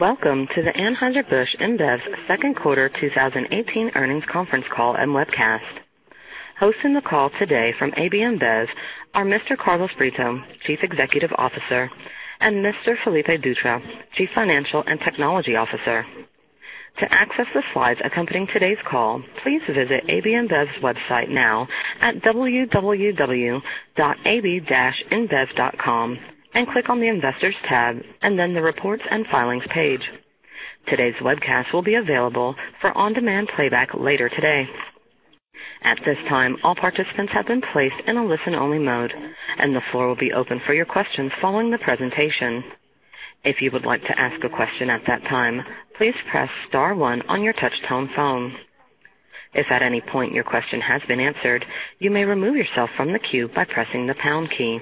Welcome to the Anheuser-Busch InBev second quarter 2018 earnings conference call and webcast. Hosting the call today from AB InBev are Mr. Carlos Brito, Chief Executive Officer, and Mr. Felipe Dutra, Chief Financial and Technology Officer. To access the slides accompanying today's call, please visit ab-inbev.com and click on the Investors tab and then the Reports and Filings page. Today's webcast will be available for on-demand playback later today. At this time, all participants have been placed in a listen-only mode, and the floor will be open for your questions following the presentation. If you would like to ask a question at that time, please press star one on your touch-tone phone. If at any point your question has been answered, you may remove yourself from the queue by pressing the pound key.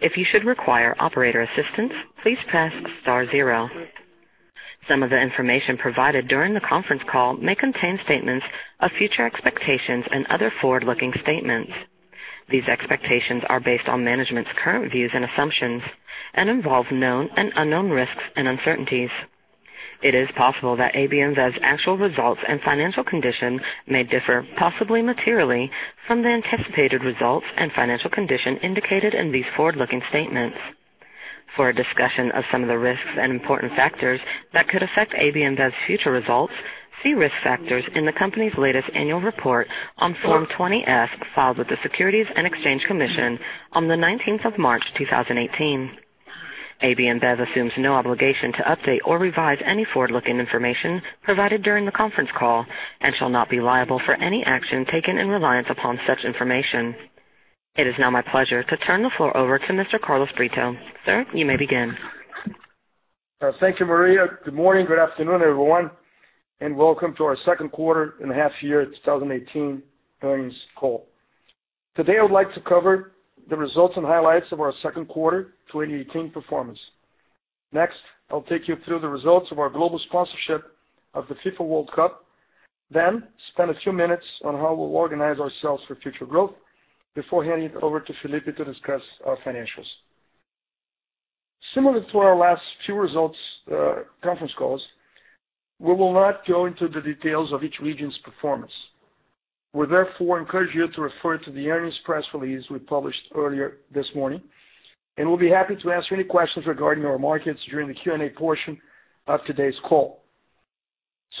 If you should require operator assistance, please press star zero. Some of the information provided during the conference call may contain statements of future expectations and other forward-looking statements. These expectations are based on management's current views and assumptions and involve known and unknown risks and uncertainties. It is possible that AB InBev's actual results and financial conditions may differ, possibly materially, from the anticipated results and financial condition indicated in these forward-looking statements. For a discussion of some of the risks and important factors that could affect AB InBev's future results, see risk factors in the company's latest annual report on Form 20-F filed with the Securities and Exchange Commission on the 19th of March 2018. AB InBev assumes no obligation to update or revise any forward-looking information provided during the conference call and shall not be liable for any action taken in reliance upon such information. It is now my pleasure to turn the floor over to Mr. Carlos Brito. Sir, you may begin. Thank you, Maria. Good morning, good afternoon, everyone, and welcome to our second quarter and half year 2018 earnings call. Today, I would like to cover the results and highlights of our second quarter 2018 performance. Next, I'll take you through the results of our global sponsorship of the FIFA World Cup, then spend a few minutes on how we'll organize ourselves for future growth before handing it over to Felipe to discuss our financials. Similar to our last few results conference calls, we will not go into the details of each region's performance. We therefore encourage you to refer to the earnings press release we published earlier this morning, and we'll be happy to answer any questions regarding our markets during the Q&A portion of today's call.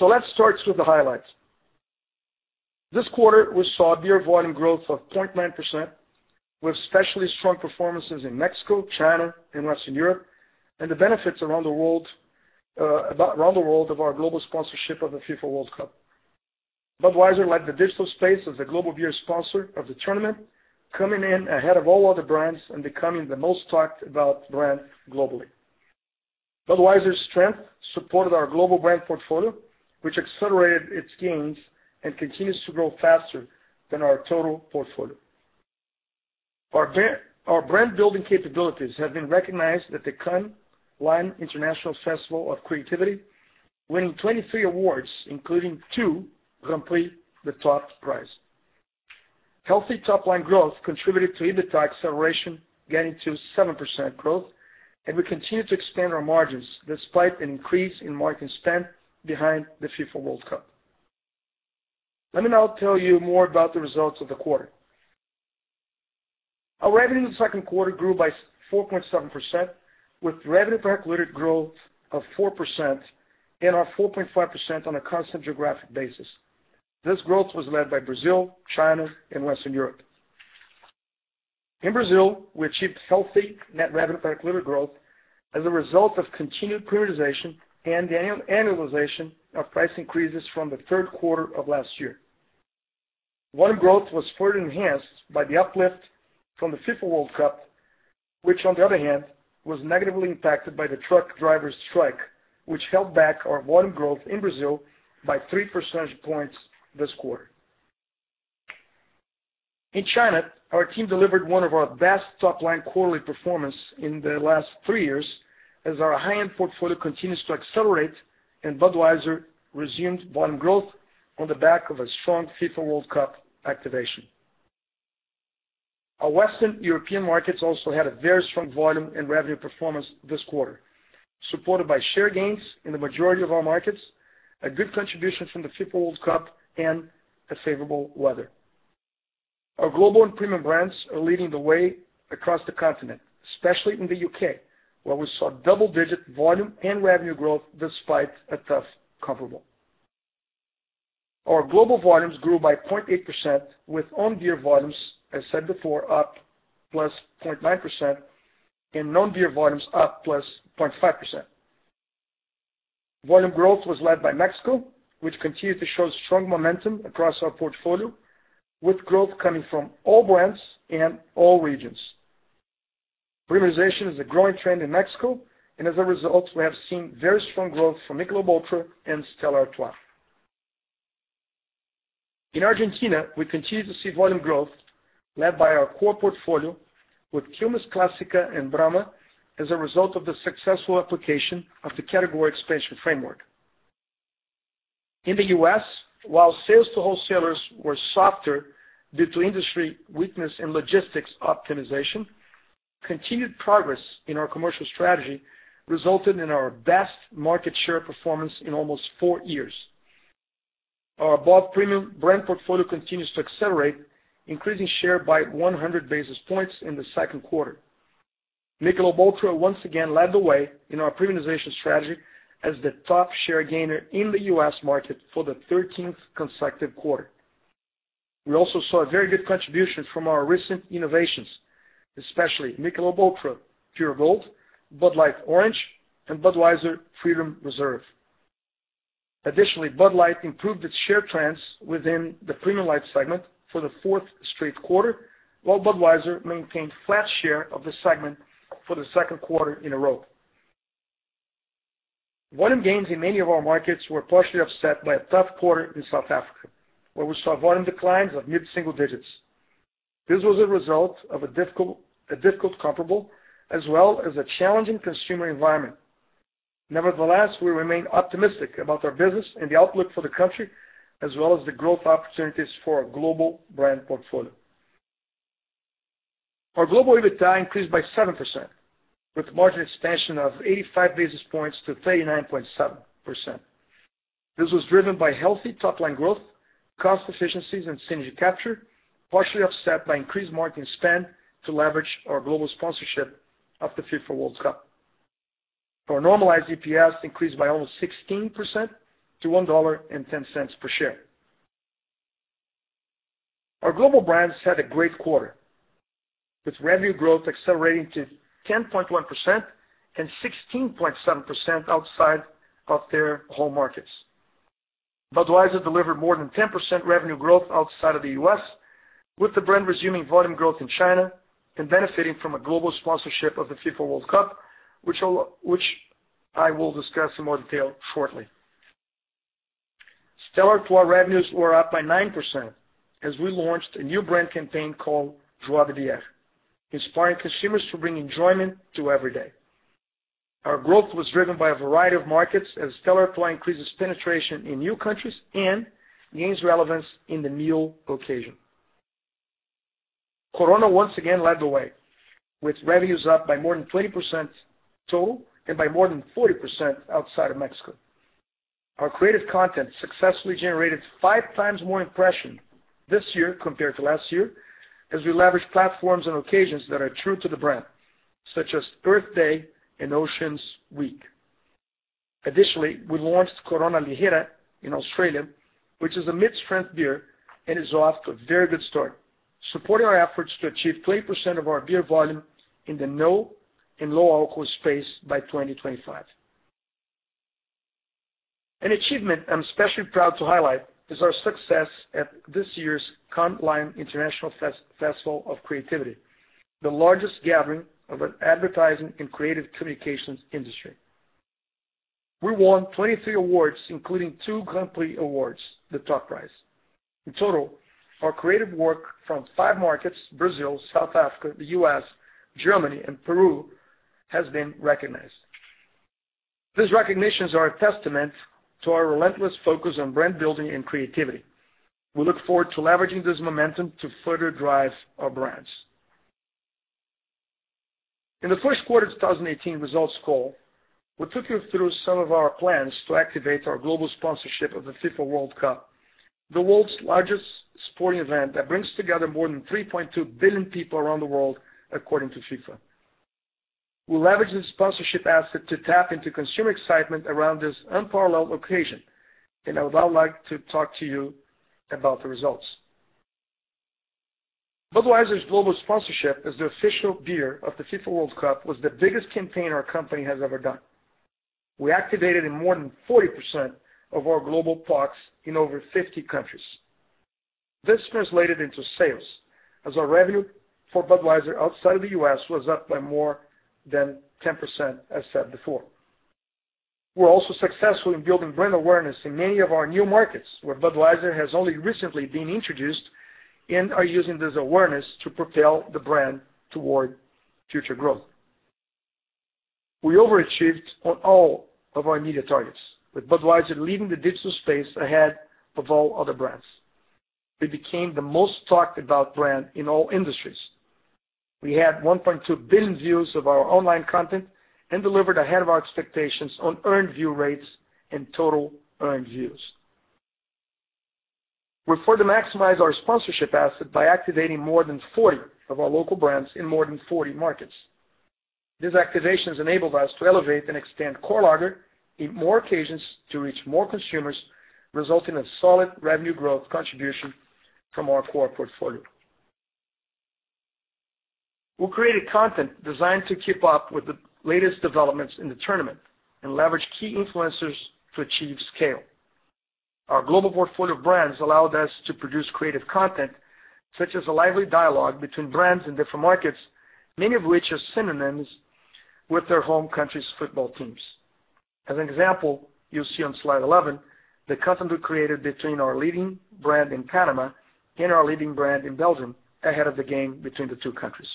Let's start with the highlights. This quarter, we saw beer volume growth of 0.9%, with especially strong performances in Mexico, China, and Western Europe, and the benefits around the world of our global sponsorship of the FIFA World Cup. Budweiser led the digital space as the global beer sponsor of the tournament, coming in ahead of all other brands and becoming the most talked about brand globally. Budweiser's strength supported our global brand portfolio, which accelerated its gains and continues to grow faster than our total portfolio. Our brand-building capabilities have been recognized at the Cannes Lions International Festival of Creativity, winning 23 awards, including two Grand Prix, the top prize. Healthy top-line growth contributed to EBITDA acceleration getting to 7% growth, and we continue to expand our margins despite an increase in marketing spend behind the FIFA World Cup. Let me now tell you more about the results of the quarter. Our revenue in the second quarter grew by 4.7%, with revenue per hectoliter growth of 4% and 4.5% on a constant geographic basis. This growth was led by Brazil, China, and Western Europe. In Brazil, we achieved healthy net revenue per hectoliter growth as a result of continued premiumization and the annualization of price increases from the third quarter of last year. Volume growth was further enhanced by the uplift from the FIFA World Cup, which on the other hand, was negatively impacted by the truck drivers' strike, which held back our volume growth in Brazil by three percentage points this quarter. In China, our team delivered one of our best top-line quarterly performance in the last three years as our high-end portfolio continues to accelerate and Budweiser resumed volume growth on the back of a strong FIFA World Cup activation. Our Western European markets also had a very strong volume and revenue performance this quarter, supported by share gains in the majority of our markets, a good contribution from the FIFA World Cup, and a favorable weather. Our global and premium brands are leading the way across the continent, especially in the U.K., where we saw double-digit volume and revenue growth despite a tough comparable. Our global volumes grew by 0.8%, with own beer volumes, as said before, up plus 0.9%, and non-beer volumes up plus 0.5%. Volume growth was led by Mexico, which continued to show strong momentum across our portfolio, with growth coming from all brands and all regions. Premiumization is a growing trend in Mexico, and as a result, we have seen very strong growth from Michelob ULTRA and Stella Artois. In Argentina, we continue to see volume growth led by our core portfolio with Quilmes Clásica and Brahma as a result of the successful application of the category expansion framework. In the U.S., while sales to wholesalers were softer due to industry weakness and logistics optimization, continued progress in our commercial strategy resulted in our best market share performance in almost four years. Our above-premium brand portfolio continues to accelerate, increasing share by 100 basis points in the second quarter. Michelob ULTRA once again led the way in our premiumization strategy as the top share gainer in the U.S. market for the 13th consecutive quarter. We also saw a very good contribution from our recent innovations, especially Michelob ULTRA Pure Gold, Bud Light Orange, and Budweiser Freedom Reserve. Additionally, Bud Light improved its share trends within the premium light segment for the fourth straight quarter, while Budweiser maintained flat share of the segment for the second quarter in a row. Volume gains in many of our markets were partially offset by a tough quarter in South Africa, where we saw volume declines of mid-single digits. This was a result of a difficult comparable, as well as a challenging consumer environment. Nevertheless, we remain optimistic about our business and the outlook for the country, as well as the growth opportunities for our global brand portfolio. Our global EBITDA increased by 7%, with margin expansion of 85 basis points to 39.7%. This was driven by healthy top-line growth, cost efficiencies, and synergy capture, partially offset by increased marketing spend to leverage our global sponsorship of the FIFA World Cup. Our normalized EPS increased by almost 16% to $1.10 per share. Our global brands had a great quarter, with revenue growth accelerating to 10.1% and 16.7% outside of their home markets. Budweiser delivered more than 10% revenue growth outside of the U.S., with the brand resuming volume growth in China and benefiting from a global sponsorship of the FIFA World Cup, which I will discuss in more detail shortly. Stella Artois revenues were up by 9% as we launched a new brand campaign called Joie de Bière, inspiring consumers to bring enjoyment to every day. Our growth was driven by a variety of markets as Stella Artois increases penetration in new countries and gains relevance in the meal occasion. Corona once again led the way, with revenues up by more than 20% total and by more than 40% outside of Mexico. Our creative content successfully generated five times more impression this year compared to last year as we leverage platforms and occasions that are true to the brand, such as Earth Day and Oceans Week. Additionally, we launched Corona Ligera in Australia, which is a mid-strength beer and is off to a very good start, supporting our efforts to achieve 20% of our beer volume in the no and low-alcohol space by 2025. An achievement I'm especially proud to highlight is our success at this year's Cannes Lions International Festival of Creativity, the largest gathering of an advertising and creative communications industry. We won 23 awards, including two Grand Prix awards, the top prize. In total, our creative work from five markets, Brazil, South Africa, the U.S., Germany, and Peru, has been recognized. These recognitions are a testament to our relentless focus on brand building and creativity. We look forward to leveraging this momentum to further drive our brands. In the first quarter of 2018 results call, we took you through some of our plans to activate our global sponsorship of the FIFA World Cup, the world's largest sporting event that brings together more than 3.2 billion people around the world, according to FIFA. We leverage this sponsorship asset to tap into consumer excitement around this unparalleled occasion, and I would now like to talk to you about the results. Budweiser's global sponsorship as the official beer of the FIFA World Cup was the biggest campaign our company has ever done. We activated in more than 40% of our global markets in over 50 countries. This translated into sales as our revenue for Budweiser outside of the U.S. was up by more than 10%, as said before. We're also successful in building brand awareness in many of our new markets, where Budweiser has only recently been introduced and are using this awareness to propel the brand toward future growth. We overachieved on all of our media targets, with Budweiser leading the digital space ahead of all other brands. We became the most talked-about brand in all industries. We had 1.2 billion views of our online content and delivered ahead of our expectations on earned view rates and total earned views. We further maximize our sponsorship asset by activating more than 40 of our local brands in more than 40 markets. These activations enabled us to elevate and extend core lager in more occasions to reach more consumers, resulting in solid revenue growth contribution from our core portfolio. We created content designed to keep up with the latest developments in the tournament and leverage key influencers to achieve scale. Our global portfolio of brands allowed us to produce creative content such as a lively dialogue between brands in different markets, many of which are synonymous with their home country's football teams. As an example, you'll see on slide 11 the content we created between our leading brand in Panama and our leading brand in Belgium ahead of the game between the two countries.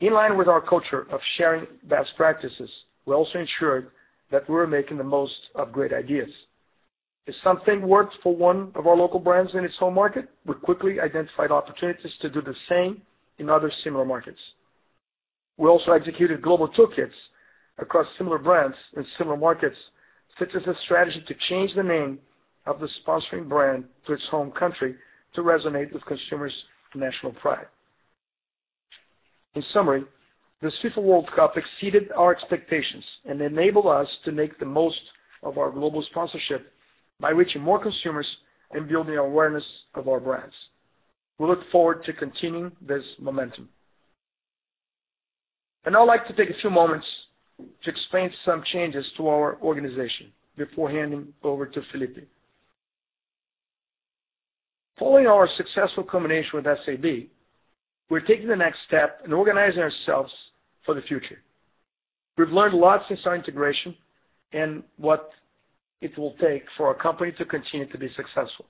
In line with our culture of sharing best practices, we also ensured that we were making the most of great ideas. If something worked for one of our local brands in its home market, we quickly identified opportunities to do the same in other similar markets. We also executed global toolkits across similar brands in similar markets, such as a strategy to change the name of the sponsoring brand to its home country to resonate with consumers' national pride. In summary, this FIFA World Cup exceeded our expectations and enabled us to make the most of our global sponsorship by reaching more consumers and building awareness of our brands. We look forward to continuing this momentum. I'd now like to take a few moments to explain some changes to our organization before handing over to Felipe. Following our successful combination with SAB, we're taking the next step and organizing ourselves for the future. We've learned a lot since our integration and what it will take for our company to continue to be successful.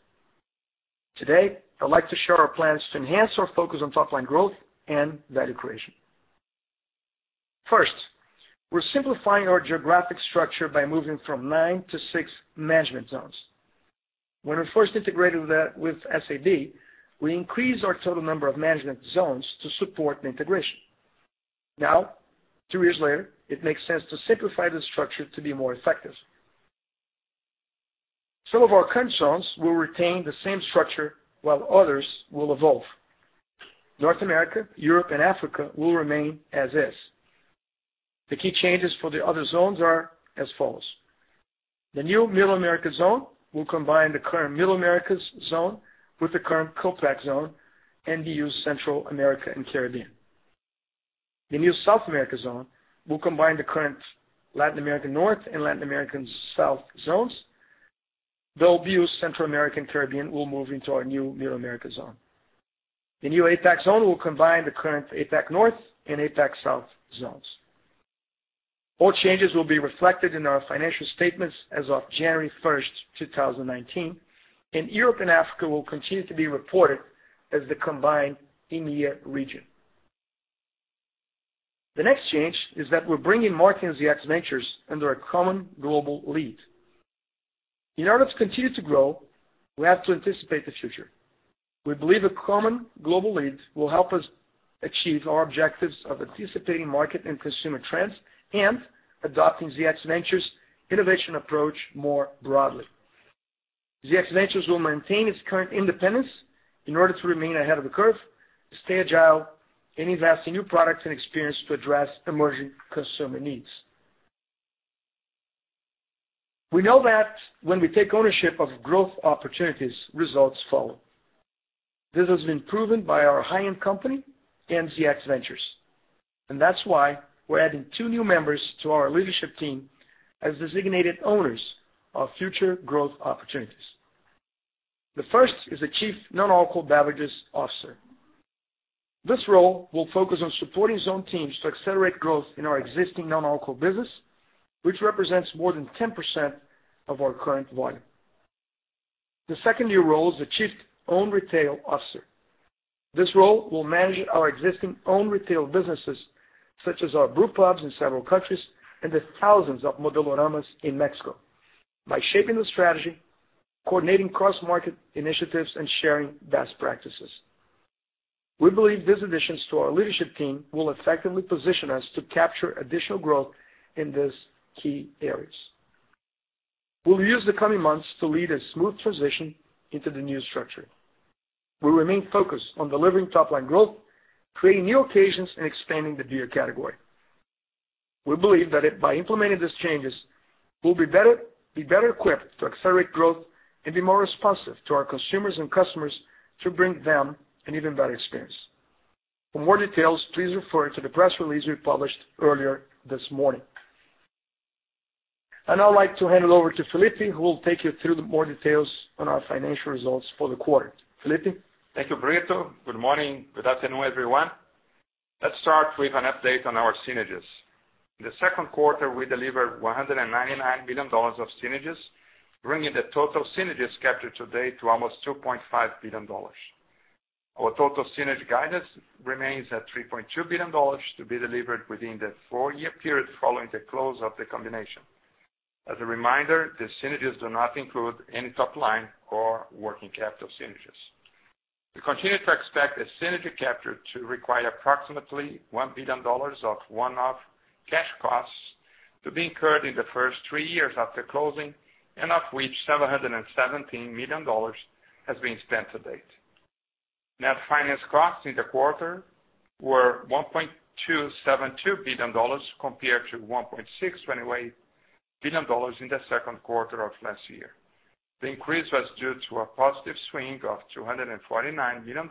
Today, I'd like to share our plans to enhance our focus on top-line growth and value creation. First, we're simplifying our geographic structure by moving from nine to six management zones. When we first integrated with SAB, we increased our total number of management zones to support the integration. Now, two years later, it makes sense to simplify the structure to be more effective. Some of our current zones will retain the same structure while others will evolve. North America, Europe, and Africa will remain as is. The key changes for the other zones are as follows. The new Middle America zone will combine the current Middle Americas zone with the current COPEC zone, BU Central America and Caribbean. The new South America zone will combine the current Latin American North and Latin American South zones, though BU Central America and Caribbean will move into our new Middle America zone. The new APAC zone will combine the current APAC North and APAC South zones. All changes will be reflected in our financial statements as of January 1st, 2019, and Europe and Africa will continue to be reported as the combined EMEA region. The next change is that we're bringing marketing ZX Ventures under a common global lead. In order to continue to grow, we have to anticipate the future. We believe a common global lead will help us achieve our objectives of anticipating market and consumer trends and adopting ZX Ventures innovation approach more broadly. ZX Ventures will maintain its current independence in order to remain ahead of the curve, stay agile in investing new products and experience to address emerging consumer needs. We know that when we take ownership of growth opportunities, results follow. This has been proven by our high-end company and ZX Ventures, that's why we're adding two new members to our leadership team as designated owners of future growth opportunities. The first is the Chief Nonalcohol Beverages Officer. This role will focus on supporting zone teams to accelerate growth in our existing non-alcohol business, which represents more than 10% of our current volume. The second new role is the Chief Own Retail Officer. This role will manage our existing own retail businesses, such as our brewpubs in several countries and the thousands of Modeloramas in Mexico, by shaping the strategy, coordinating cross-market initiatives, and sharing best practices. We believe these additions to our leadership team will effectively position us to capture additional growth in these key areas. We'll use the coming months to lead a smooth transition into the new structure. We remain focused on delivering top-line growth, creating new occasions, and expanding the beer category. We believe that by implementing these changes, we'll be better equipped to accelerate growth and be more responsive to our consumers and customers to bring them an even better experience. For more details, please refer to the press release we published earlier this morning. I'd now like to hand it over to Felipe, who will take you through the more details on our financial results for the quarter. Felipe? Thank you, Brito. Good morning. Good afternoon, everyone. Let's start with an update on our synergies. In the second quarter, we delivered $199 million of synergies, bringing the total synergies captured to date to almost $2.5 billion. Our total synergy guidance remains at $3.2 billion to be delivered within the four-year period following the close of the combination. As a reminder, the synergies do not include any top-line or working capital synergies. We continue to expect the synergy capture to require approximately $1 billion of one-off cash costs to be incurred in the first three years after closing, of which $717 million has been spent to date. Net finance costs in the quarter were $1.272 billion compared to $1.628 billion in the second quarter of last year. The increase was due to a positive swing of $249 million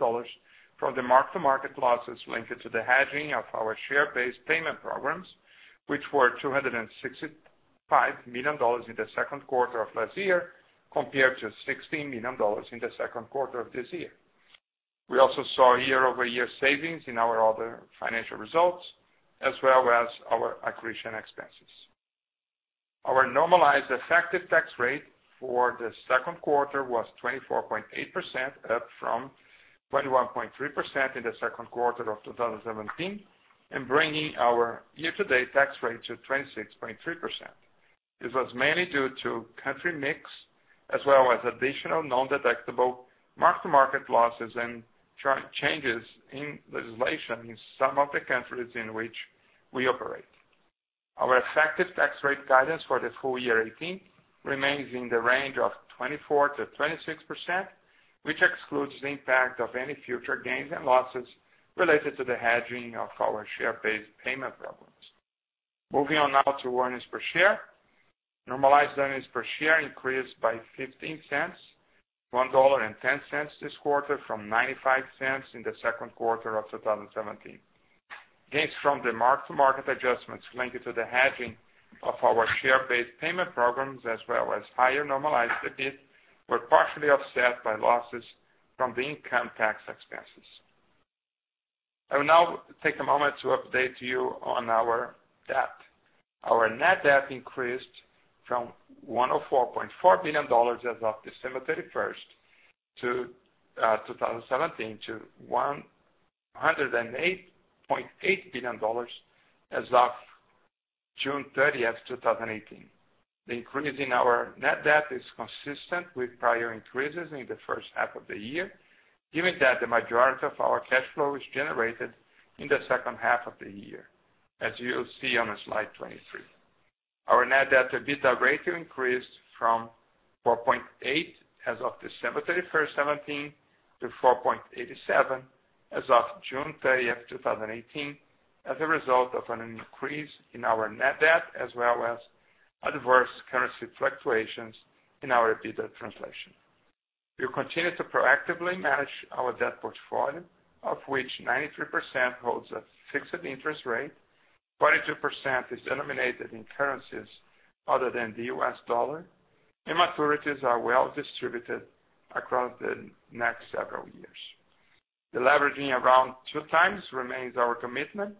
from the mark-to-market losses linked to the hedging of our share-based payment programs, which were $265 million in the second quarter of last year, compared to $16 million in the second quarter of this year. We also saw year-over-year savings in our other financial results, as well as our accretion expenses. Our normalized effective tax rate for the second quarter was 24.8%, up from 21.3% in the second quarter of 2017, and bringing our year-to-date tax rate to 26.3%. This was mainly due to country mix, as well as additional non-detectable mark-to-market losses and changes in legislation in some of the countries in which we operate. Our effective tax rate guidance for the full year 2018 remains in the range of 24%-26%, which excludes the impact of any future gains and losses related to the hedging of our share-based payment programs. Moving on now to earnings per share. Normalized earnings per share increased by $0.15, $1.10 this quarter from $0.95 in the second quarter of 2017. Gains from the mark-to-market adjustments linked to the hedging of our share-based payment programs, as well as higher normalized EBITDA, were partially offset by losses from the income tax expenses. I will now take a moment to update you on our debt. Our net debt increased from $104.4 billion as of December 31st, 2017, to $108.8 billion as of June 30th, 2018. The increase in our net debt is consistent with prior increases in the first half of the year, given that the majority of our cash flow is generated in the second half of the year, as you'll see on slide 23. Our net debt to EBITDA ratio increased from 4.8 as of December 31st, 2017, to 4.87 as of June 30th, 2018, as a result of an increase in our net debt, as well as adverse currency fluctuations in our EBITDA translation. We continue to proactively manage our debt portfolio, of which 93% holds a fixed interest rate, 42% is denominated in currencies other than the US dollar, and maturities are well distributed across the next several years. Deleveraging around 2 times remains our commitment.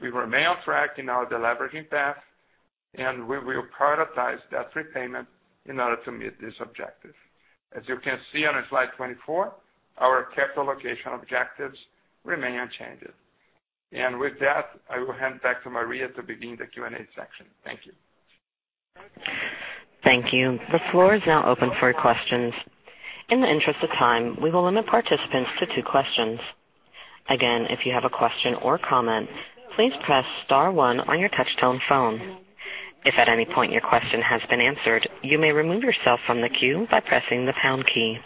We remain on track in our deleveraging path, and we will prioritize debt repayment in order to meet this objective. As you can see on slide 24, our capital allocation objectives remain unchanged. With that, I will hand back to Maria to begin the Q&A section. Thank you. Thank you. The floor is now open for questions. In the interest of time, we will limit participants to two questions. Again, if you have a question or comment, please press *1 on your touch-tone phone. If at any point your question has been answered, you may remove yourself from the queue by pressing the # key.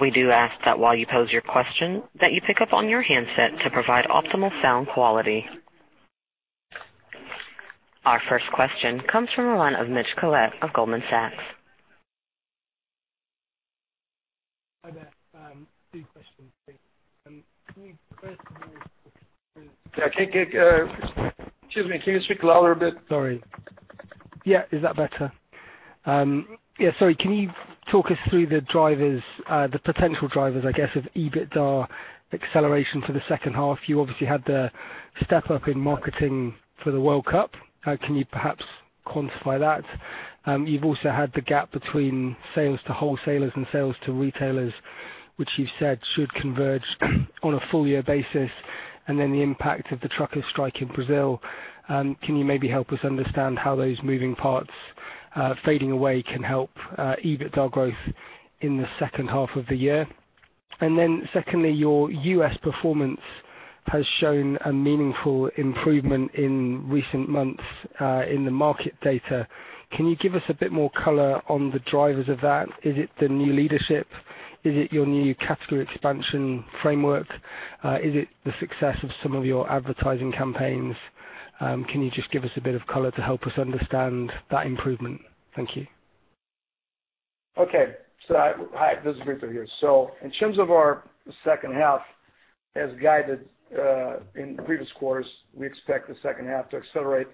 We do ask that while you pose your question, that you pick up on your handset to provide optimal sound quality. Our first question comes from the line of Mitch Collett of Goldman Sachs. Hi there. Two questions, please. Can you first- Excuse me, can you speak louder a bit? Sorry. Yeah, is that better? Yeah, sorry. Can you talk us through the potential drivers, I guess, of EBITDA acceleration for the second half? You obviously had the step-up in marketing for the World Cup. Can you perhaps quantify that? You've also had the gap between sales to wholesalers and sales to retailers, which you've said should converge on a full-year basis, and then the impact of the trucker strike in Brazil. Can you maybe help us understand how those moving parts fading away can help EBITDA growth in the second half of the year? Secondly, your U.S. performance has shown a meaningful improvement in recent months in the market data. Can you give us a bit more color on the drivers of that? Is it the new leadership? Is it your new category expansion framework? Is it the success of some of your advertising campaigns? Can you just give us a bit of color to help us understand that improvement? Thank you. Okay. Hi, this is Brito here. In terms of our second half, as guided in the previous quarters, we expect the second half to accelerate,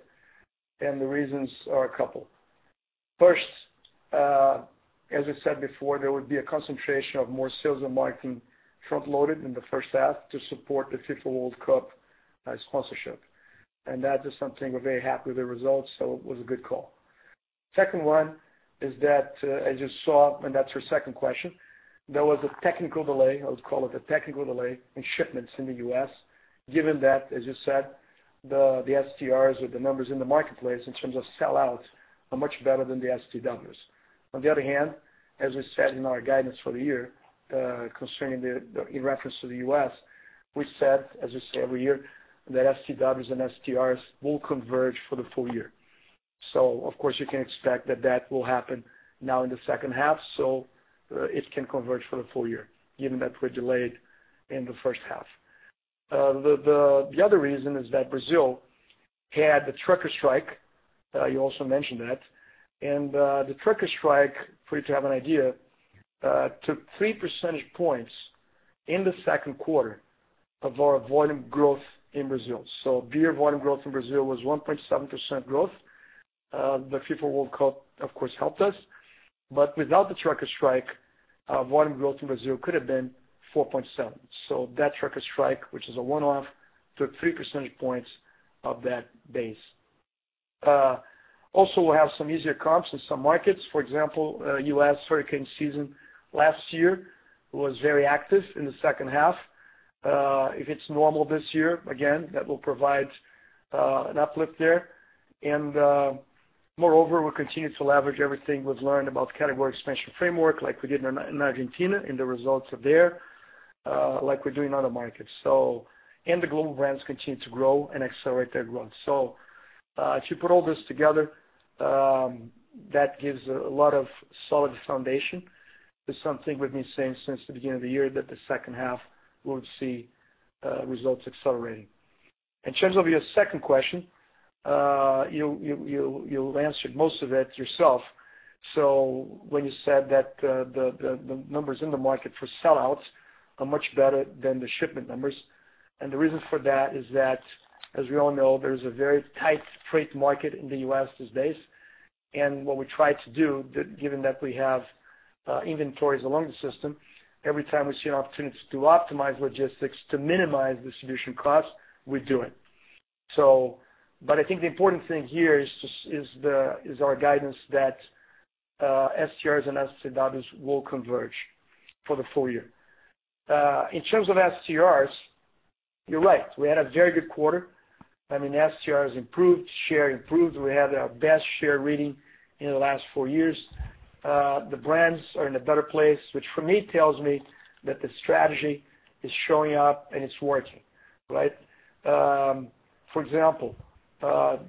and the reasons are a couple. First, as I said before, there would be a concentration of more sales and marketing front-loaded in the first half to support the FIFA World Cup sponsorship. That is something we're very happy with the results, so it was a good call. Second one is that, as you saw, and that's your second question, there was a technical delay, let's call it a technical delay, in shipments in the U.S., given that, as you said, the STRs or the numbers in the marketplace in terms of sell-outs are much better than the STWs. On the other hand, as we said in our guidance for the year, in reference to the U.S., we said, as we say every year, that STWs and STRs will converge for the full year. Of course, you can expect that that will happen now in the second half, so it can converge for the full year, given that we're delayed in the first half. The other reason is that Brazil had the trucker strike. You also mentioned that. The trucker strike, for you to have an idea, took three percentage points in the second quarter of our volume growth in Brazil. Beer volume growth in Brazil was 1.7% growth. The FIFA World Cup, of course, helped us. Without the trucker strike, our volume growth in Brazil could have been 4.7%. That trucker strike, which is a one-off, took three percentage points of that base. Also, we have some easier comps in some markets. For example, U.S. hurricane season last year was very active in the second half. If it's normal this year, again, that will provide an uplift there. Moreover, we'll continue to leverage everything we've learned about category expansion framework, like we did in Argentina, in the results there, like we're doing other markets. The global brands continue to grow and accelerate their growth. If you put all this together, that gives a lot of solid foundation to something we've been saying since the beginning of the year that the second half, we would see results accelerating. In terms of your second question, you answered most of it yourself. When you said that the numbers in the market for sellouts are much better than the shipment numbers, the reason for that is that, as we all know, there's a very tight freight market in the U.S. these days. What we try to do, given that we have inventories along the system, every time we see an opportunity to optimize logistics to minimize distribution costs, we do it. I think the important thing here is our guidance that STRs and STWs will converge for the full year. In terms of STRs, you're right. We had a very good quarter. I mean, the STR has improved, share improved. We had our best share reading in the last four years. The brands are in a better place, which for me, tells me that the strategy is showing up and it's working. For example,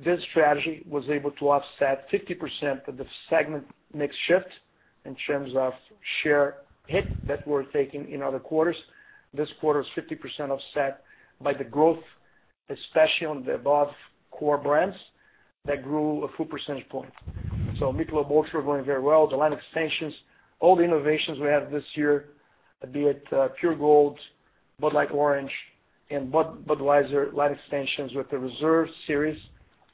this strategy was able to offset 50% of the segment mix shift in terms of share hit that we're taking in other quarters. This quarter is 50% offset by the growth, especially on the above core brands that grew a full percentage point. Michelob ULTRA growing very well. The line extensions, all the innovations we have this year, be it Pure Gold, Bud Light Orange, and Budweiser line extensions with the Reserve Series,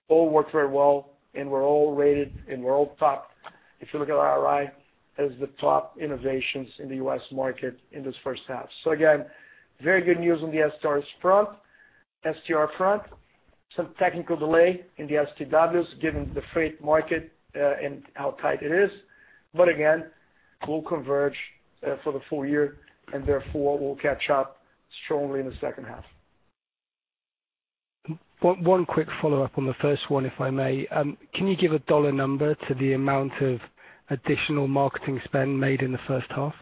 all worked very well, and were all rated and were all top. If you look at IRI, as the top innovations in the U.S. market in this first half. Again, very good news on the STR front. Some technical delay in the STWs, given the freight market and how tight it is. Again, will converge for the full year and therefore will catch up strongly in the second half. One quick follow-up on the first one, if I may. Can you give a dollar number to the amount of additional marketing spend made in the first half?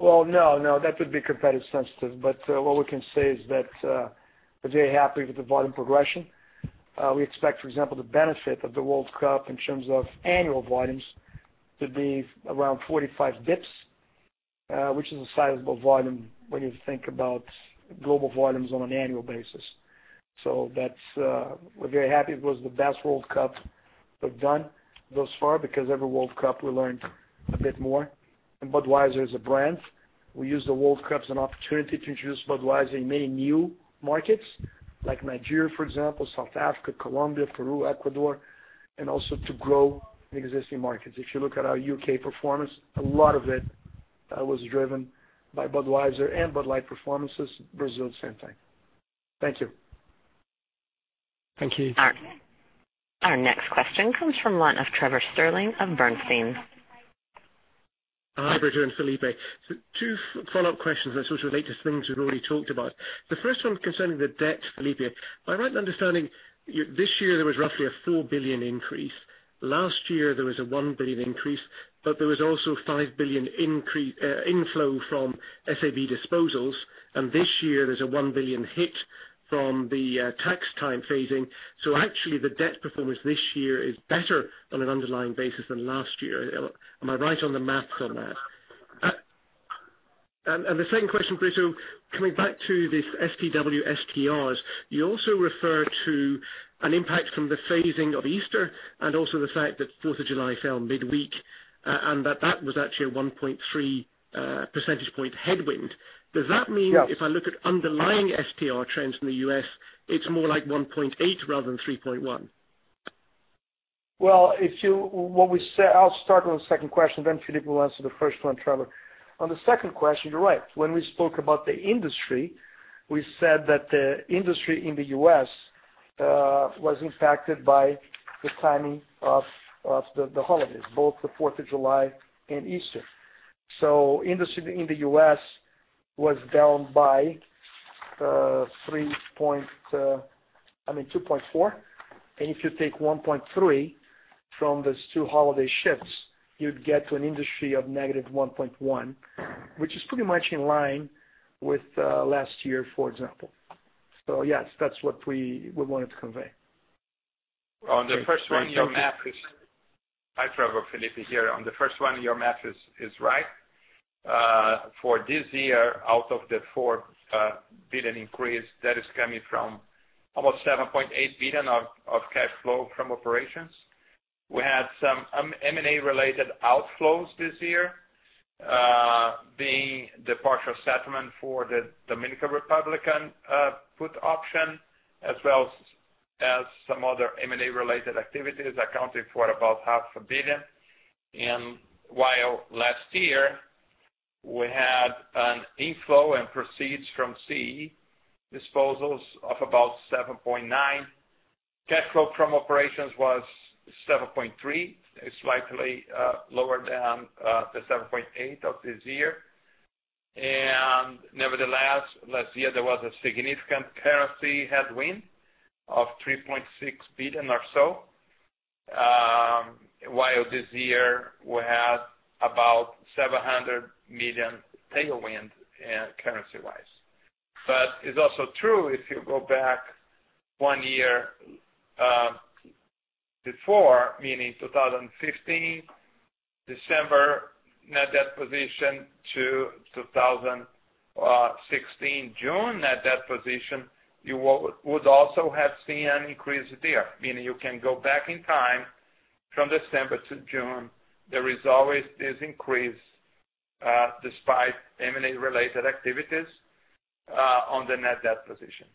No. That would be competitive sensitive. What we can say is that we're very happy with the volume progression. We expect, for example, the benefit of the World Cup in terms of annual volumes to be around 45 basis points, which is a sizable volume when you think about global volumes on an annual basis. We're very happy. It was the best World Cup we've done thus far because every World Cup, we learn a bit more. Budweiser is a brand. We use the World Cup as an opportunity to introduce Budweiser in many new markets, like Nigeria, for example, South Africa, Colombia, Peru, Ecuador, and also to grow in existing markets. If you look at our U.K. performance, a lot of it was driven by Budweiser and Bud Light performances, Brazil at the same time. Thank you. Thank you. Our next question comes from the line of Trevor Stirling of Bernstein. Hi, Brito and Felipe. Two follow-up questions that sort of relate to things we've already talked about. The first one concerning the debt, Felipe. Am I right in understanding, this year there was roughly a $4 billion increase. Last year, there was a $1 billion increase, but there was also $5 billion inflow from SABMiller disposals, and this year there's a $1 billion hit from the tax time phasing. Actually, the debt performance this year is better on an underlying basis than last year. Am I right on the maths on that? The second question, Brito, coming back to this STW, STRs, you also refer to an impact from the phasing of Easter and also the fact that 4th of July fell midweek, and that that was actually a 1.3 percentage point headwind. Does that mean- Yeah if I look at underlying STR trends in the U.S., it's more like 1.8 rather than 3.1? I'll start on the second question, Felipe will answer the first one, Trevor. On the second question, you're right. When we spoke about the industry, we said that the industry in the U.S. was impacted by the timing of the holidays, both the 4th of July and Easter. Industry in the U.S. was down by 2.4%, and if you take 1.3% from those two holiday shifts, you'd get to an industry of -1.1%, which is pretty much in line with last year, for example. Yes, that's what we wanted to convey. Hi, Trevor. Felipe here. On the first one, your math is right. For this year, out of the $4 billion increase, that is coming from almost $7.8 billion of cash flow from operations. We had some M&A-related outflows this year. The partial settlement for the Dominican Republic put option, as well as some other M&A-related activities accounted for about half a billion. While last year we had an inflow and proceeds from CEE disposals of about $7.9 billion. Cash flow from operations was $7.3 billion. It's slightly lower than the $7.8 billion of this year. Nevertheless, last year there was a significant currency headwind of $3.6 billion or so, while this year we had about $700 million tailwind currency-wise. It's also true if you go back one year before, meaning 2015, December net debt position to 2016, June net debt position, you would also have seen an increase there. Meaning you can go back in time from December to June, there is always this increase, despite M&A-related activities, on the net debt position.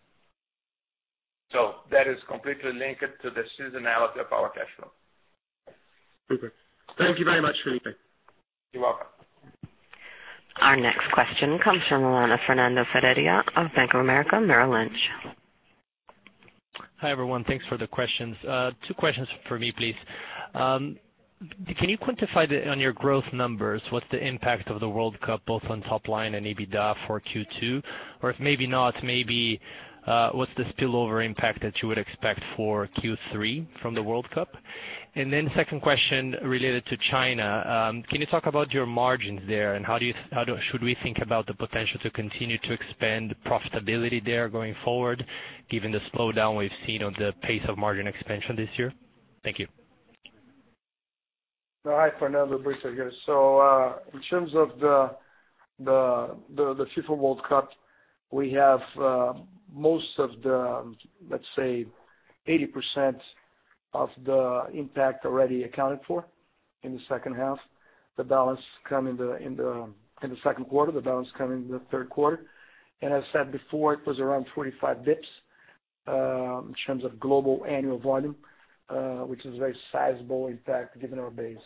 That is completely linked to the seasonality of our cash flow. Super. Thank you very much, Felipe. You're welcome. Our next question comes from the line of Fernando Ferreira of Bank of America Merrill Lynch. Hi, everyone. Thanks for the questions. Two questions from me, please. Can you quantify on your growth numbers, what's the impact of the World Cup, both on top line and EBITDA for Q2? Or if maybe not, maybe what's the spillover impact that you would expect for Q3 from the World Cup? Second question related to China. Can you talk about your margins there, and how should we think about the potential to continue to expand profitability there going forward, given the slowdown we've seen on the pace of margin expansion this year? Thank you. Hi, Fernando. Brito here. In terms of the FIFA World Cup, we have most of the, let's say, 80% of the impact already accounted for in the second half. The balance come in the second quarter, the balance come in the third quarter. As I said before, it was around 45 basis points, in terms of global annual volume, which is a very sizable impact given our base.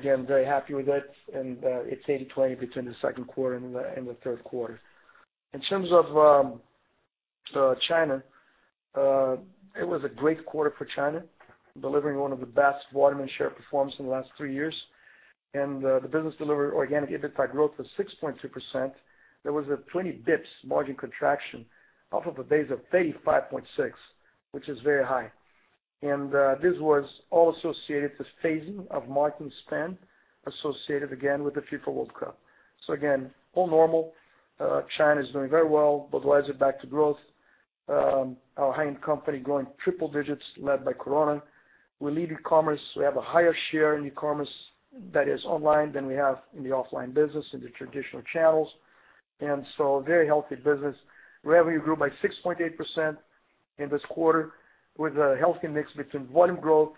Again, very happy with it, and it's 80/20 between the second quarter and the third quarter. In terms of China, it was a great quarter for China, delivering one of the best volume and share performance in the last three years. The business delivered organic EBITDA growth of 6.2%. There was a 20 basis points margin contraction off of a base of 35.6%, which is very high. This was all associated with phasing of marketing spend, associated again with the FIFA World Cup. Again, all normal. China is doing very well, Budweiser back to growth. Our high-end company growing triple digits, led by Corona. We lead e-commerce. We have a higher share in e-commerce that is online than we have in the offline business, in the traditional channels. Very healthy business. Revenue grew by 6.8% in this quarter, with a healthy mix between volume growth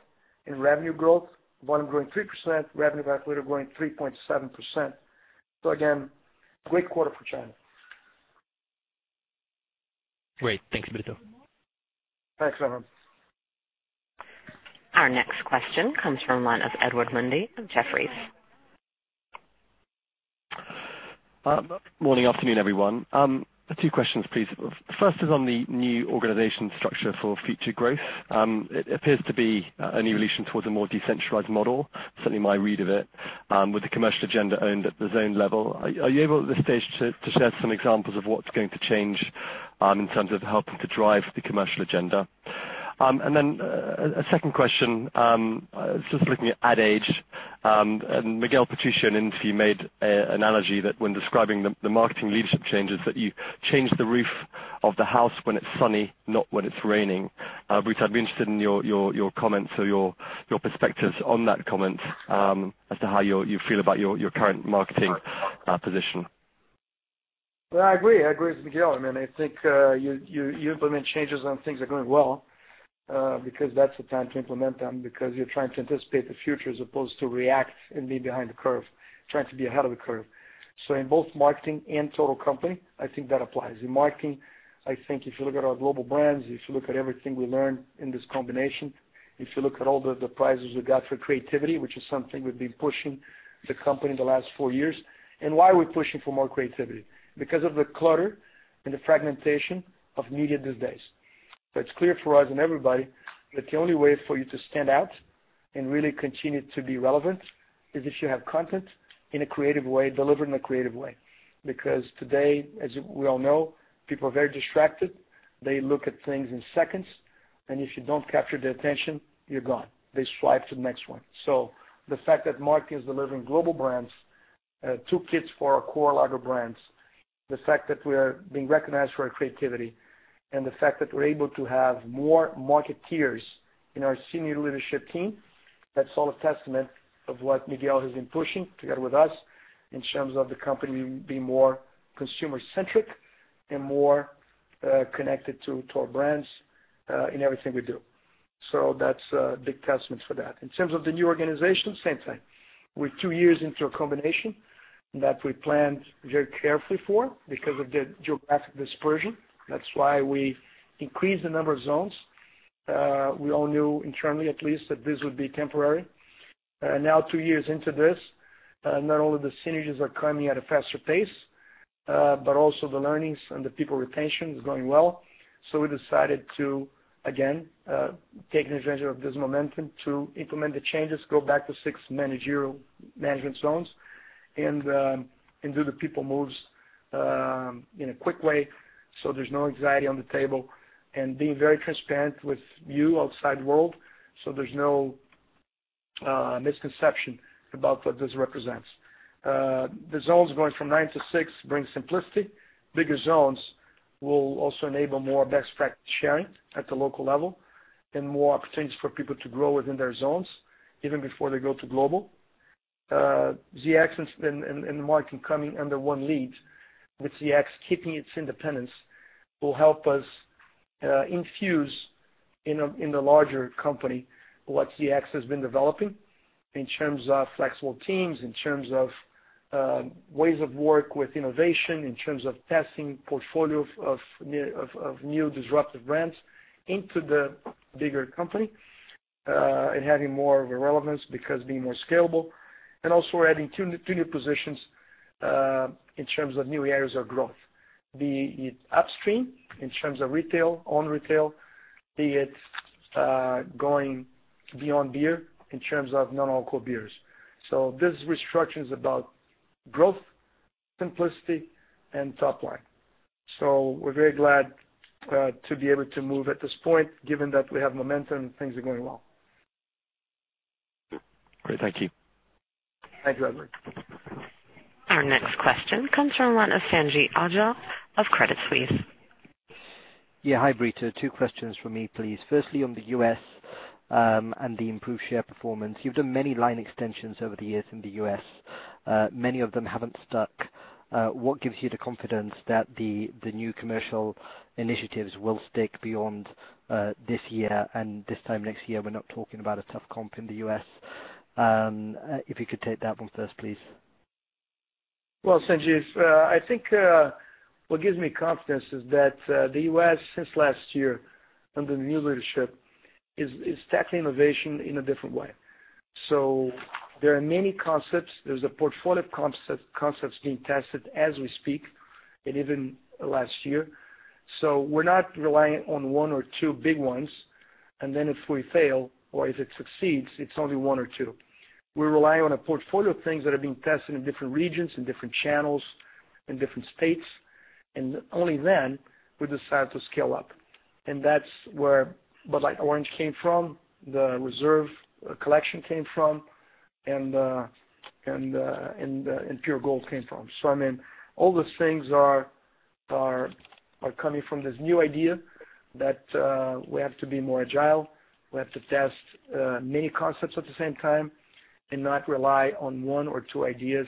and revenue growth. Volume growing 3%, revenue per hectoliter growing 3.7%. Again, great quarter for China. Great. Thanks, Brito. Thanks, Fernando. Our next question comes from the line of Edward Mundy of Jefferies. Morning, afternoon, everyone. Two questions, please. First is on the new organization structure for future growth. It appears to be an evolution towards a more decentralized model, certainly my read of it, with the commercial agenda owned at the zone level. Are you able at this stage to share some examples of what's going to change in terms of helping to drive the commercial agenda? A second question. I was just looking at Ad Age. Miguel Patricio in an interview made an analogy that when describing the marketing leadership changes, that you change the roof of the house when it's sunny, not when it's raining. Brito, I'd be interested in your comments or your perspectives on that comment, as to how you feel about your current marketing position. Well, I agree. I agree with Miguel. I think you implement changes when things are going well, because that's the time to implement them, because you're trying to anticipate the future as opposed to react and be behind the curve, trying to be ahead of the curve. In both marketing and total company, I think that applies. In marketing, I think if you look at our global brands, if you look at everything we learned in this combination, if you look at all the prizes we got for creativity, which is something we've been pushing the company in the last four years. Why are we pushing for more creativity? Because of the clutter and the fragmentation of media these days. It's clear for us and everybody that the only way for you to stand out and really continue to be relevant is if you have content in a creative way, delivered in a creative way. Because today, as we all know, people are very distracted. They look at things in seconds. If you don't capture their attention, you're gone. They swipe to the next one. The fact that marketing is delivering global brands, two kits for our core lager brands, the fact that we are being recognized for our creativity, the fact that we're able to have more marketeers in our senior leadership team, that's all a testament of what Miguel has been pushing together with us in terms of the company being more consumer-centric and more connected to our brands in everything we do. That's a big testament for that. In terms of the new organization, same thing. We're two years into a combination that we planned very carefully for because of the geographic dispersion. That's why we increased the number of zones. We all knew internally at least that this would be temporary. Two years into this, not only the synergies are coming at a faster pace, but also the learnings and the people retention is going well. We decided to, again, take advantage of this momentum to implement the changes, go back to six managerial management zones, do the people moves in a quick way so there's no anxiety on the table. Being very transparent with you, outside world, so there's no misconception about what this represents. The zones going from nine to six brings simplicity. Bigger zones will also enable more best practice sharing at the local level and more opportunities for people to grow within their zones even before they go to global. ZX and the marketing coming under one lead, with ZX keeping its independence, will help us infuse in the larger company what ZX has been developing in terms of flexible teams, in terms of ways of work with innovation, in terms of testing portfolio of new disruptive brands into the bigger company, and having more of a relevance because being more scalable. Also we're adding two new positions in terms of new areas of growth, be it upstream in terms of retail, own retail, be it going beyond beer in terms of non-alcohol beers. This restructure is about growth, simplicity, and top line. We're very glad to be able to move at this point, given that we have momentum and things are going well. Great. Thank you. Thank you, Edward. Our next question comes from line of Sanjeet Aujla of Credit Suisse. Yeah. Hi, Brito. Two questions from me, please. Firstly, on the U.S. and the improved share performance. You've done many line extensions over the years in the U.S. Many of them haven't stuck. What gives you the confidence that the new commercial initiatives will stick beyond this year, and this time next year, we're not talking about a tough comp in the U.S.? If you could take that one first, please. Well, Sanjeet, I think what gives me confidence is that the U.S., since last year, under the new leadership, is tackling innovation in a different way. There are many concepts. There's a portfolio of concepts being tested as we speak, and even last year. We're not relying on one or two big ones, and then if we fail or if it succeeds, it's only one or two. We're relying on a portfolio of things that are being tested in different regions, in different channels, in different states. Only then we decide to scale up. That's where Bud Light Orange came from, the Reserve Collection came from, and Pure Gold came from. All those things are coming from this new idea that we have to be more agile. We have to test many concepts at the same time and not rely on one or two ideas,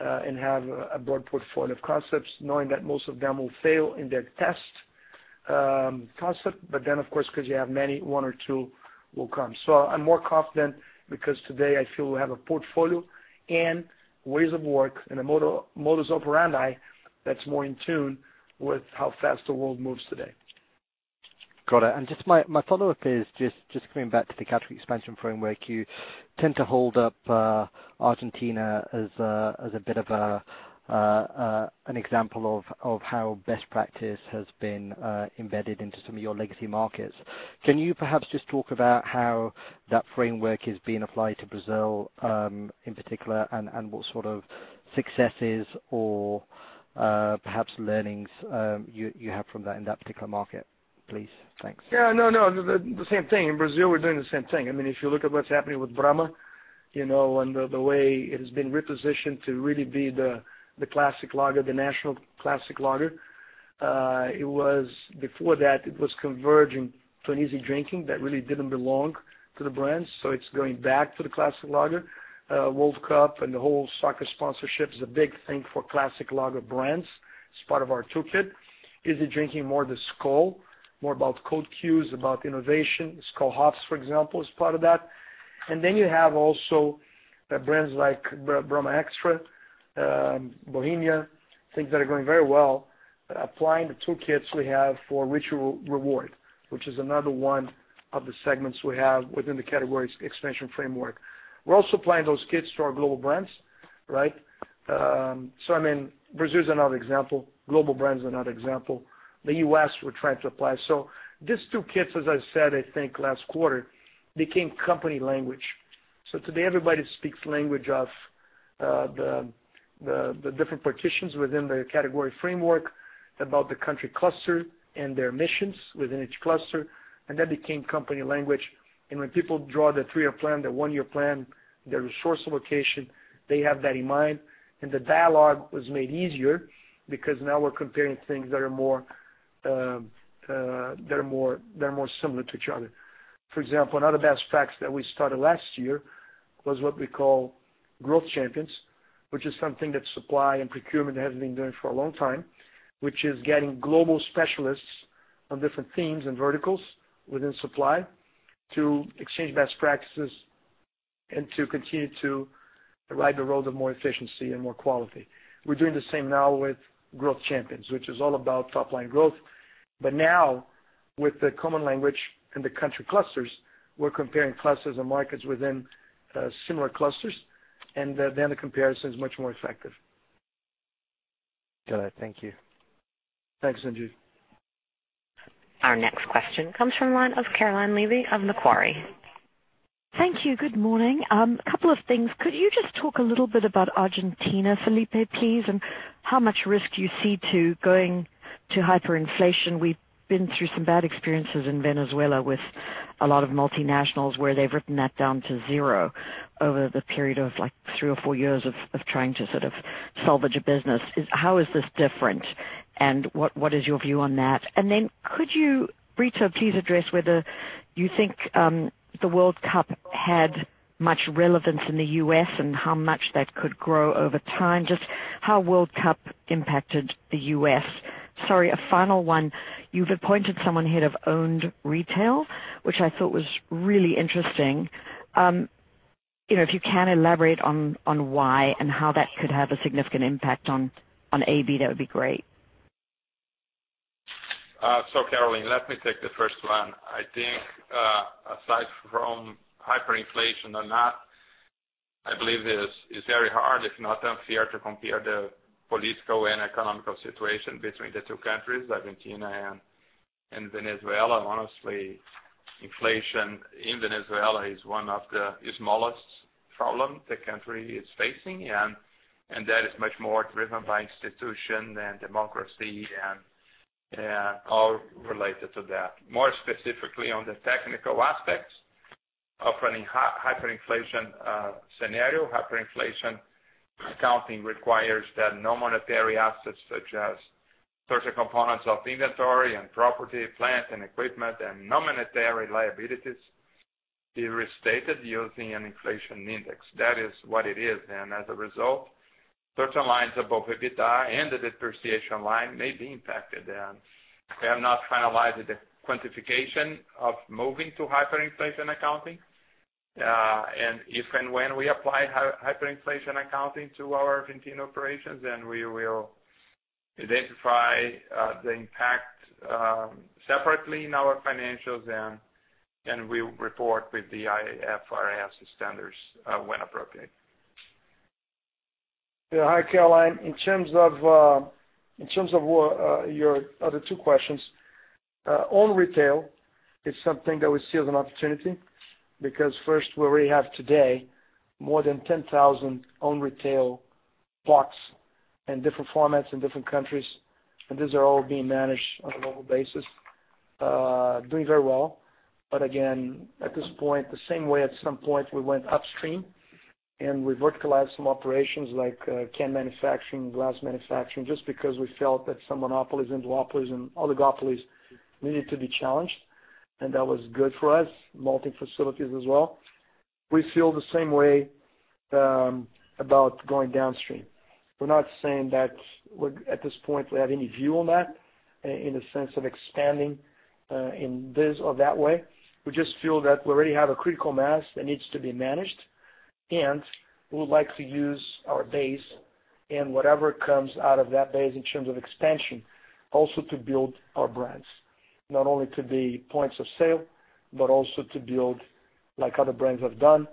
and have a broad portfolio of concepts, knowing that most of them will fail in their test concept. Of course, because you have many, one or two will come. I'm more confident because today I feel we have a portfolio and ways of work and a modus operandi that's more in tune with how fast the world moves today. Got it. My follow-up is just coming back to the category expansion framework. You tend to hold up Argentina as a bit of an example of how best practice has been embedded into some of your legacy markets. Can you perhaps just talk about how that framework is being applied to Brazil, in particular, and what sort of successes or perhaps learnings you have from that in that particular market, please? Thanks. Yeah. No. The same thing. In Brazil, we're doing the same thing. If you look at what's happening with Brahma and the way it has been repositioned to really be the classic lager, the national classic lager. Before that, it was converging to an easy drinking that really didn't belong to the brand. It's going back to the classic lager. World Cup and the whole soccer sponsorship is a big thing for classic lager brands. It's part of our toolkit. Easy drinking, more the Skol, more about code cues, about innovation. Skol Hops, for example, is part of that. You have also brands like Brahma Extra, Bohemia, things that are going very well, applying the toolkits we have for ritual reward, which is another one of the segments we have within the categories expansion framework. We're also applying those kits to our global brands. Brazil is another example. Global brands are another example. The U.S., we're trying to apply. These toolkits, as I said, I think last quarter, became company language. Today everybody speaks language of the different partitions within the category framework about the country cluster and their missions within each cluster, and that became company language. When people draw their three-year plan, their one-year plan, their resource allocation, they have that in mind. The dialogue was made easier because now we're comparing things that are more similar to each other. For example, another best practice that we started last year was what we call growth champions, which is something that supply and procurement has been doing for a long time, which is getting global specialists on different themes and verticals within supply to exchange best practices and to continue to ride the road of more efficiency and more quality. We're doing the same now with growth champions, which is all about top-line growth. Now, with the common language and the country clusters, we're comparing clusters and markets within similar clusters, and then the comparison is much more effective. Got it. Thank you. Thanks, Sanjeet. Our next question comes from the line of Caroline Levy of Macquarie. Thank you. Good morning. A couple of things. Could you just talk a little bit about Argentina, Felipe, please, and how much risk do you see to going to hyperinflation? We've been through some bad experiences in Venezuela with a lot of multinationals where they've written that down to zero over the period of three or four years of trying to sort of salvage a business. How is this different, and what is your view on that? Could you, Brito, please address whether you think the World Cup had much relevance in the U.S. and how much that could grow over time, just how World Cup impacted the U.S. Sorry, a final one. You've appointed someone head of owned retail, which I thought was really interesting. If you can elaborate on why and how that could have a significant impact on AB, that would be great. Caroline, let me take the first one. I think, aside from hyperinflation or not, I believe it is very hard, if not unfair, to compare the political and economic situation between the two countries, Argentina and Venezuela. Honestly, inflation in Venezuela is one of the smallest problems the country is facing, and that is much more driven by institutions than democracy and all related to that. More specifically on the technical aspects of running hyperinflation scenario, hyperinflation accounting requires that no monetary assets, such as certain components of inventory and property, plant, and equipment, and no monetary liabilities be restated using an inflation index. That is what it is. As a result, certain lines above EBITDA and the depreciation line may be impacted, and we have not finalized the quantification of moving to hyperinflation accounting. If and when we apply hyperinflation accounting to our Argentine operations, we will identify the impact separately in our financials, and we'll report with the IFRS standards when appropriate. Hi, Caroline. In terms of your other two questions, owned retail is something that we see as an opportunity because first, we already have today more than 10,000 owned retail plots in different formats, in different countries, and these are all being managed on a global basis. Doing very well. Again, at this point, the same way at some point we went upstream and we verticalized some operations like can manufacturing, glass manufacturing, just because we felt that some monopolies and duopolies and oligopolies needed to be challenged, and that was good for us, multi-facilities as well. We feel the same way about going downstream. We're not saying that at this point we have any view on that in the sense of expanding in this or that way. We just feel that we already have a critical mass that needs to be managed, we would like to use our base and whatever comes out of that base in terms of expansion, also to build our brands, not only to the points of sale, but also to build like other brands have done,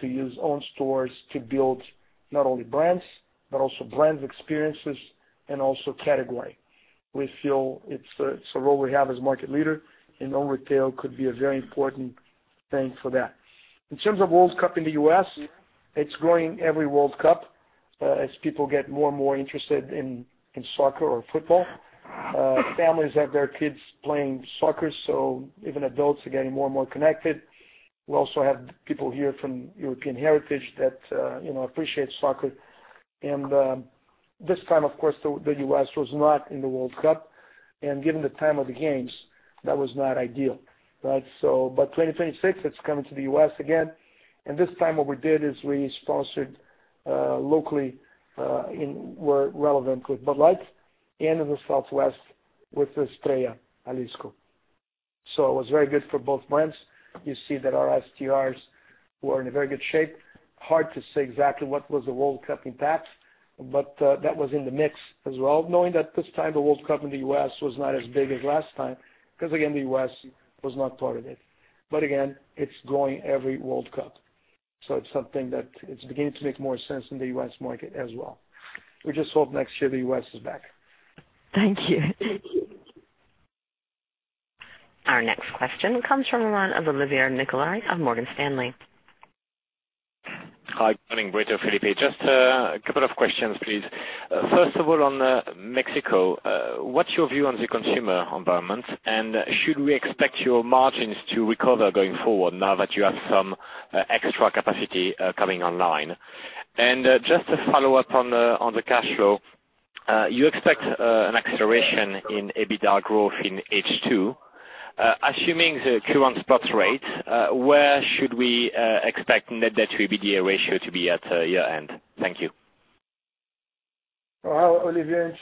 to use own stores to build not only brands, but also brand experiences and also category. We feel it's a role we have as market leader, owned retail could be a very important thing for that. In terms of World Cup in the U.S., it's growing every World Cup, as people get more and more interested in soccer or football. Families have their kids playing soccer, so even adults are getting more and more connected. We also have people here from European heritage that appreciate soccer. This time, of course, the U.S. was not in the World Cup, and given the time of the games, that was not ideal. 2026, it is coming to the U.S. again, and this time what we did is we sponsored locally in where relevant with Bud Light and in the Southwest with Estrella Jalisco. It was very good for both brands. You see that our STRs were in a very good shape. Hard to say exactly what was the World Cup impact, but that was in the mix as well. Knowing that this time the World Cup in the U.S. was not as big as last time, because again, the U.S. was not part of it. Again, it is growing every World Cup, so it is something that it is beginning to make more sense in the U.S. market as well. We just hope next year the U.S. is back. Thank you. Our next question comes from the line of Olivier Nicolai of Morgan Stanley. Hi, good morning, Brito, Felipe. Just a couple of questions, please. First of all, on Mexico, what is your view on the consumer environment, and should we expect your margins to recover going forward now that you have some extra capacity coming online? Just to follow up on the cash flow, you expect an acceleration in EBITDA growth in H2. Assuming the current spot rate, where should we expect net debt to EBITDA ratio to be at year-end? Thank you. Well, Olivier,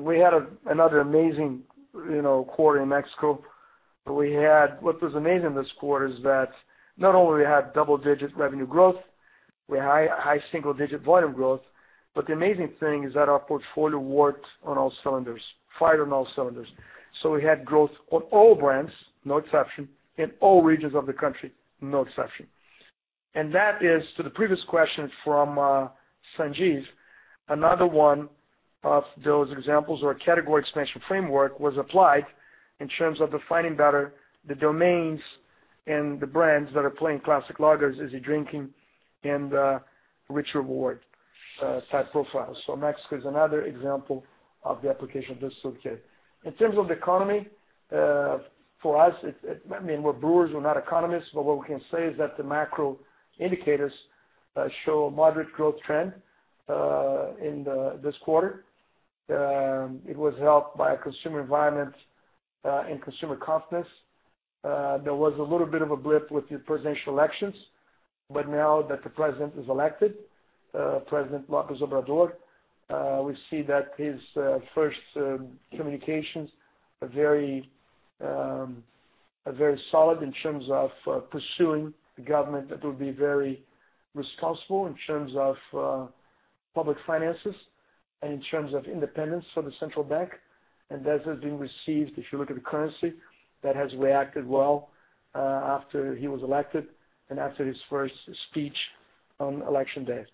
we had another amazing quarter in Mexico. What was amazing this quarter is that not only we had double-digit revenue growth, we had high single-digit volume growth, but the amazing thing is that our portfolio worked on all cylinders, fired on all cylinders. We had growth on all brands, no exception, in all regions of the country, no exception. That is to the previous question from Sanjeet, another one of those examples or Category Expansion Framework was applied in terms of defining better the domains and the brands that are playing classic lagers, easy drinking, and rich reward type profiles. Mexico is another example of the application of this toolkit. In terms of the economy, for us, we're brewers, we're not economists, but what we can say is that the macro indicators show a moderate growth trend in this quarter. It was helped by a consumer environment and consumer confidence. There was a little bit of a blip with the presidential elections, but now that the president is elected, President López Obrador, we see that his first communications are very solid in terms of pursuing a government that will be very responsible in terms of public finances and in terms of independence for the central bank. That has been received, if you look at the currency, that has reacted well after he was elected and after his first speech on election day.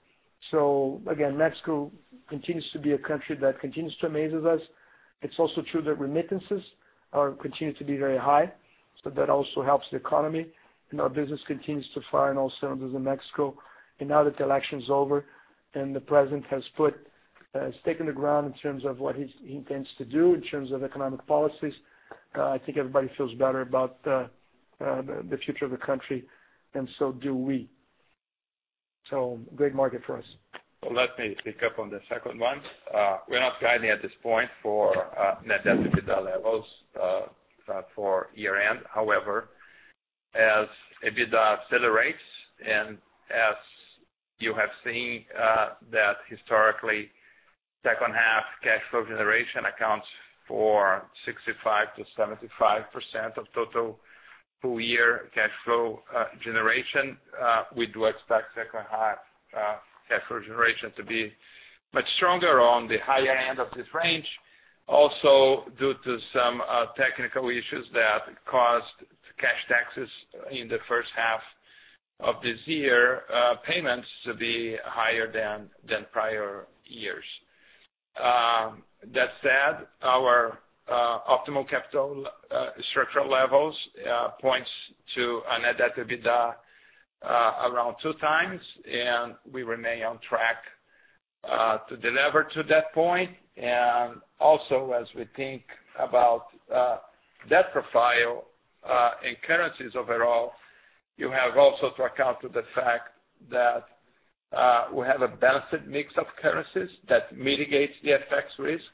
Again, Mexico continues to be a country that continues to amaze us. It's also true that remittances continue to be very high, so that also helps the economy. Our business continues to fire on all cylinders in Mexico. Now that the election's over and the president has taken the ground in terms of what he intends to do in terms of economic policies, I think everybody feels better about the future of the country, and so do we. Great market for us. Let me pick up on the second one. We're not guiding at this point for net debt to EBITDA levels for year-end. However, as EBITDA accelerates and as you have seen that historically, second half cash flow generation accounts for 65%-75% of total full year cash flow generation. We do expect second half cash flow generation to be much stronger on the higher end of this range. Also, due to some technical issues that caused cash taxes in the first half of this year payments to be higher than prior years. That said, our optimal capital structure levels points to a net debt to EBITDA around 2 times, and we remain on track to deliver to that point. Also, as we think about debt profile and currencies overall, you also have to account for the fact that we have a balanced mix of currencies that mitigates the FX risk.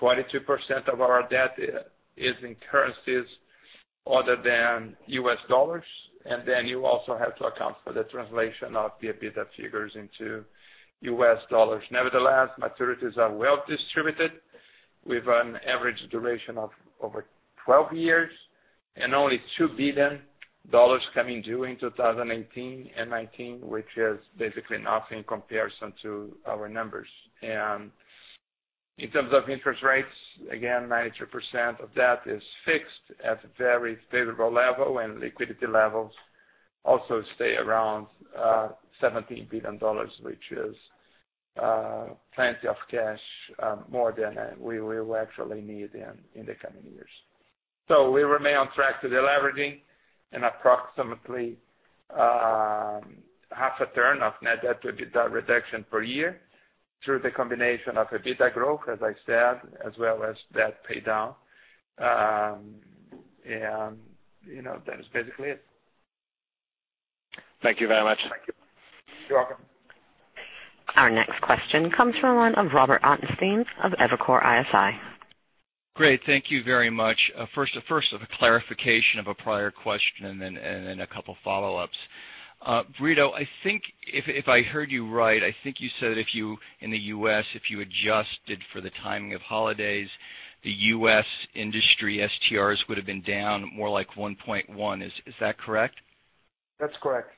22% of our debt is in currencies other than U.S. dollars. You also have to account for the translation of the EBITDA figures into U.S. dollars. Nevertheless, maturities are well distributed with an average duration of over 12 years and only $2 billion coming due in 2018 and 2019, which is basically nothing in comparison to our numbers. In terms of interest rates, again, 92% of debt is fixed at a very favorable level, and liquidity levels also stay around $17 billion, which is plenty of cash, more than we will actually need in the coming years. We remain on track to de-leveraging and approximately half a turn of net debt to EBITDA reduction per year through the combination of EBITDA growth, as I said, as well as debt paydown. That is basically it. Thank you very much. Thank you. You're welcome. Our next question comes from the line of Robert Ottenstein of Evercore ISI. Great. Thank you very much. First, a clarification of a prior question and then a couple of follow-ups. Brito, I think if I heard you right, I think you said if you, in the U.S., if you adjusted for the timing of holidays, the U.S. industry STRs would have been down more like 1.1. Is that correct? That's correct.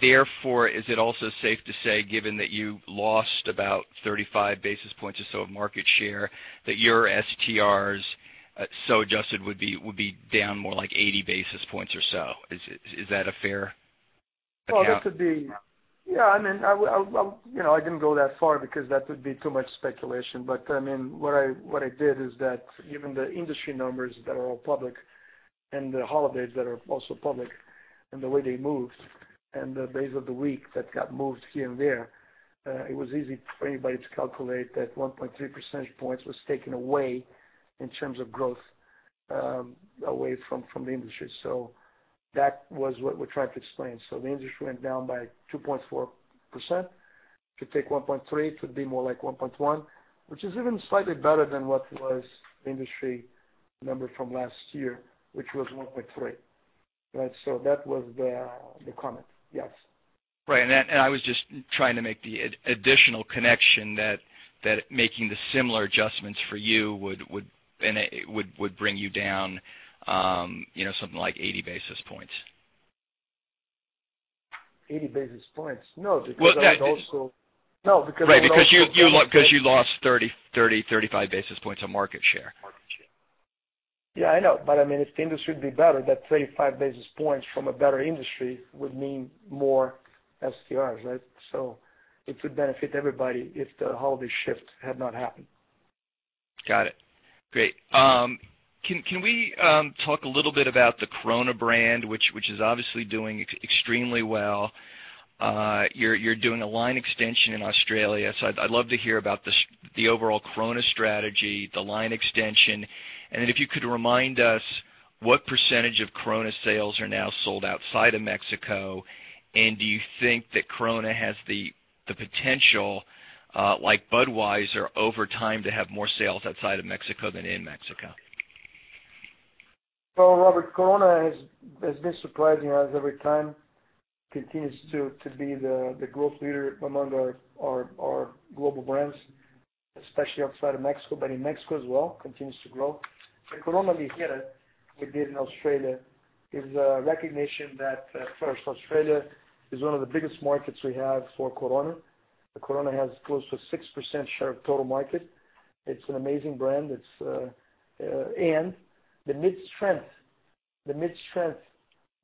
Therefore, is it also safe to say, given that you lost about 35 basis points or so of market share, that your STRs, so adjusted, would be down more like 80 basis points or so. Is that a fair account? Yeah. I didn't go that far because that would be too much speculation. What I did is that given the industry numbers that are all public and the holidays that are also public and the way they moved and the days of the week that got moved here and there, it was easy for anybody to calculate that 1.3 percentage points was taken away in terms of growth away from the industry. That was what we're trying to explain. The industry went down by 2.4%. If you take 1.3, it would be more like 1.1, which is even slightly better than what was the industry number from last year, which was 1.3. Right, that was the comment. Yes. Right. I was just trying to make the additional connection that making the similar adjustments for you would bring you down something like 80 basis points. 80 basis points? No, because that is also. Right, you lost 30, 35 basis points on market share. Yeah, I know. If the industry would be better, that 35 basis points from a better industry would mean more STR, right? It would benefit everybody if all the shifts had not happened. Got it. Great. Can we talk a little bit about the Corona brand, which is obviously doing extremely well. You're doing a line extension in Australia, I'd love to hear about the overall Corona strategy, the line extension, and then if you could remind us what percentage of Corona sales are now sold outside of Mexico, and do you think that Corona has the potential, like Budweiser, over time, to have more sales outside of Mexico than in Mexico? Well, Robert, Corona has been surprising us every time, continues to be the growth leader among our global brands, especially outside of Mexico, but in Mexico as well, continues to grow. The Corona Ligera we did in Australia is a recognition that, first, Australia is one of the biggest markets we have for Corona. The Corona has close to 6% share of total market. It's an amazing brand. The mid-strength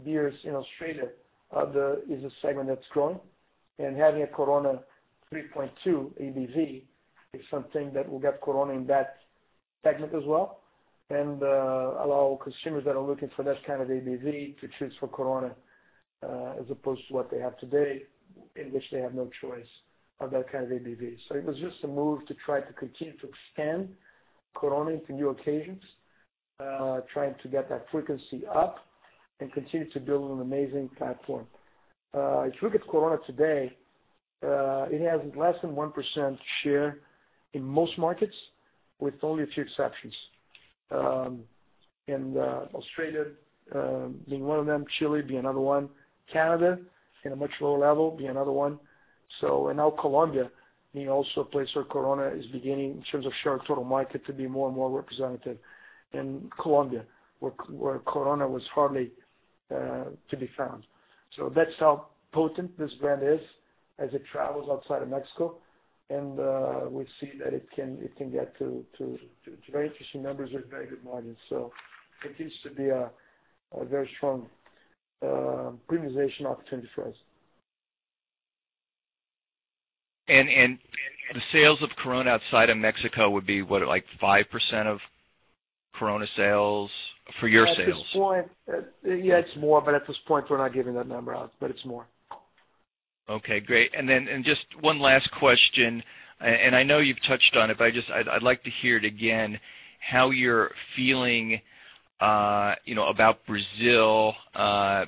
beers in Australia is a segment that's growing, and having a Corona 3.2 ABV is something that will get Corona in that segment as well, and allow consumers that are looking for less kind of ABV to choose for Corona, as opposed to what they have today, in which they have no choice of that kind of ABV. It was just a move to try to continue to expand Corona into new occasions, trying to get that frequency up, and continue to build an amazing platform. If you look at Corona today, it has less than 1% share in most markets, with only a few exceptions. In Australia being one of them, Chile being another one, Canada in a much lower level being another one. Now Colombia being also a place where Corona is beginning, in terms of share of total market, to be more and more representative in Colombia, where Corona was hardly to be found. That's how potent this brand is as it travels outside of Mexico, and we see that it can get to very interesting numbers with very good margins. It continues to be a very strong premiumization opportunity for us. The sales of Corona outside of Mexico would be, what, like 5% of Corona sales for your sales? At this point, yeah, it's more, but at this point, we're not giving that number out, but it's more. Okay, great. Just one last question, and I know you've touched on it, but I'd like to hear it again, how you're feeling about Brazil,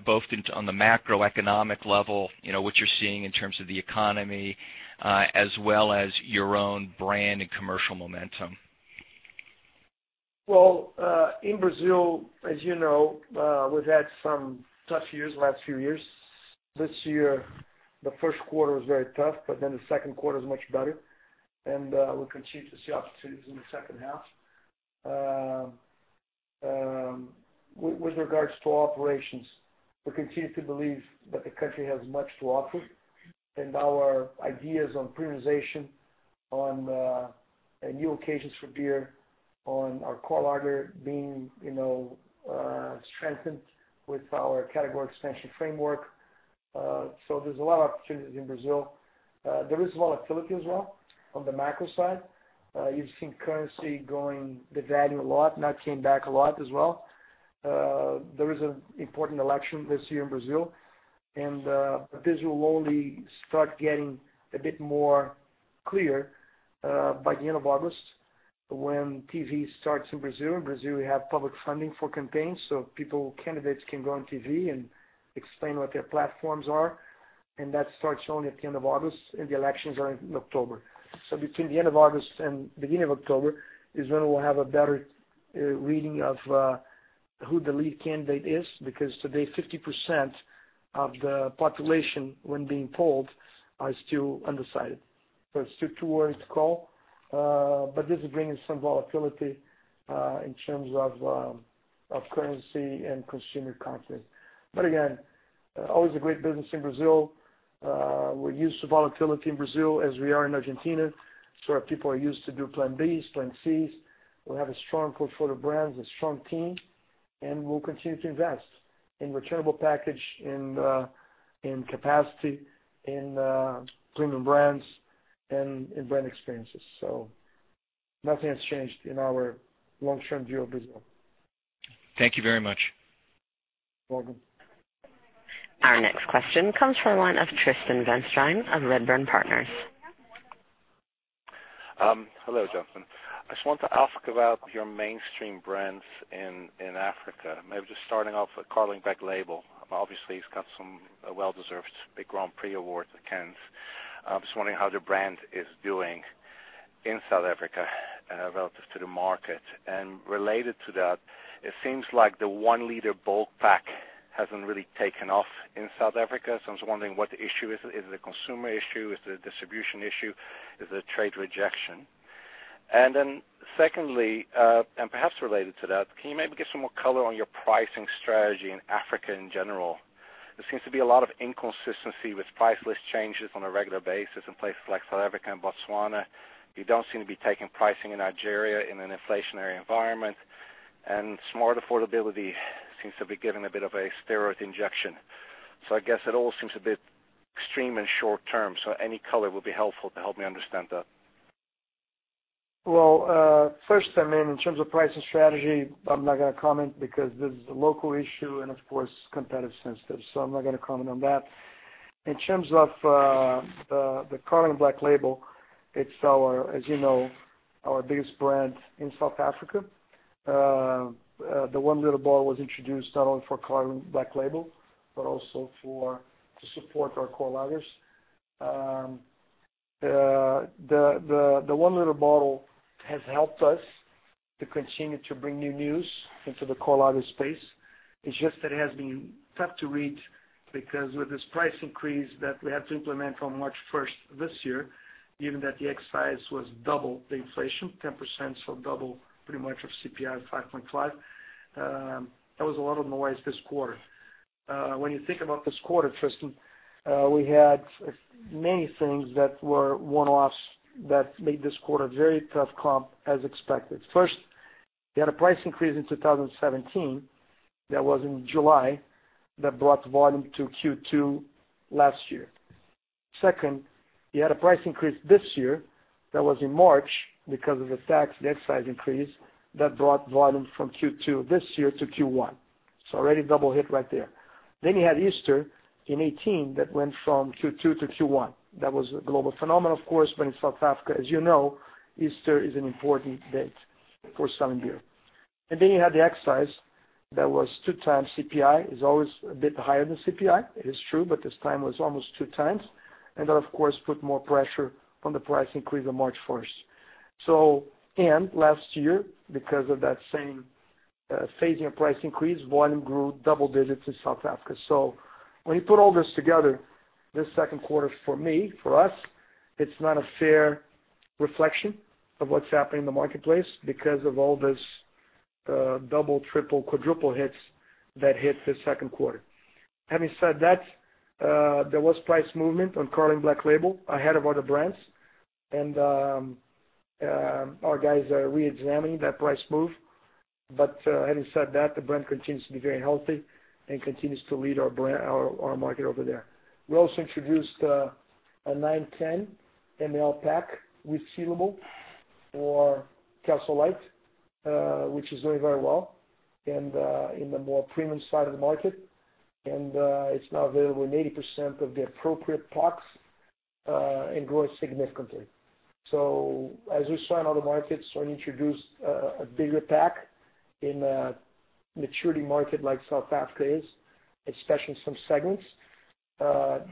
both on the macroeconomic level, what you're seeing in terms of the economy, as well as your own brand and commercial momentum. Well, in Brazil, as you know, we've had some tough years the last few years. This year, the first quarter was very tough, but the second quarter is much better, and we continue to see opportunities in the second half. With regards to our operations, we continue to believe that the country has much to offer, and our ideas on premiumization on new occasions for beer, on our core lager being strengthened with our category expansion framework. There's a lot of opportunities in Brazil. There is volatility as well on the macro side. You've seen currency devaluing a lot, now it came back a lot as well. There is an important election this year in Brazil, and this will only start getting a bit more clear by the end of August, when TV starts in Brazil. In Brazil, we have public funding for campaigns, candidates can go on TV and explain what their platforms are, and that starts only at the end of August, and the elections are in October. Between the end of August and beginning of October is when we'll have a better reading of who the lead candidate is, because today, 50% of the population, when being polled, are still undecided. It's still too early to call, but this is bringing some volatility in terms of currency and consumer confidence. Again, always a great business in Brazil. We're used to volatility in Brazil as we are in Argentina. Our people are used to do plan Bs, plan Cs. We have a strong portfolio of brands, a strong team, and we'll continue to invest in returnable package, in capacity, in premium brands, and in brand experiences. Nothing has changed in our long-term view of Brazil. Thank you very much. Welcome. Our next question comes from the line of Tristan van Strien of Redburn Partners. Hello, gentlemen. I just want to ask about your mainstream brands in Africa, maybe just starting off with Carling Black Label. Obviously, it's got some well-deserved big Grand Prix awards at Cannes. I'm just wondering how the brand is doing in South Africa relative to the market. Related to that, it seems like the one-liter bulk pack hasn't really taken off in South Africa, so I was wondering what the issue is. Is it a consumer issue? Is it a distribution issue? Is it trade rejection? Then secondly, and perhaps related to that, can you maybe give some more color on your pricing strategy in Africa in general? There seems to be a lot of inconsistency with price list changes on a regular basis in places like South Africa and Botswana. You don't seem to be taking pricing in Nigeria in an inflationary environment, and smart affordability seems to be given a bit of a steroid injection. I guess it all seems a bit extreme and short-term, Any color would be helpful to help me understand that. Well, first, in terms of pricing strategy, I'm not going to comment because this is a local issue and of course, competitive sensitive, so I'm not going to comment on that. In terms of the Carling Black Label, it's our, as you know, our biggest brand in South Africa. The one-liter bottle was introduced not only for Carling Black Label, but also to support our core lagers. The one-liter bottle has helped us to continue to bring new news into the core lager space. It's just that it has been tough to read because with this price increase that we had to implement on March 1st this year, given that the excise was double the inflation, 10%, so double pretty much of CPI 5.5%. That was a lot of noise this quarter. When you think about this quarter, Tristan, we had many things that were one-offs that made this quarter a very tough comp, as expected. First, we had a price increase in 2017, that was in July, that brought volume to Q2 last year. Second, we had a price increase this year, that was in March, because of the tax, the excise increase, that brought volume from Q2 this year to Q1. Already double hit right there. Then you had Easter in 2018 that went from Q2 to Q1. That was a global phenomenon, of course, but in South Africa, as you know, Easter is an important date for selling beer. Then you had the excise that was 2 times CPI. It's always a bit higher than CPI, it is true, but this time was almost 2 times. That, of course, put more pressure on the price increase on March 1st. Last year, because of that same phasing of price increase, volume grew double digits in South Africa. When you put all this together, this second quarter for me, for us, it's not a fair reflection of what's happening in the marketplace because of all this double, triple, quadruple hits that hit the second quarter. Having said that, there was price movement on Carling Black Label ahead of other brands, and our guys are re-examining that price move. Having said that, the brand continues to be very healthy and continues to lead our market over there. We also introduced a 910 mL pack, resealable, for Castle Lite, which is doing very well and in the more premium side of the market, and it's now available in 80% of the appropriate packs, and growing significantly. As we saw in other markets, when you introduce a bigger pack in a maturity market like South Africa is, especially in some segments,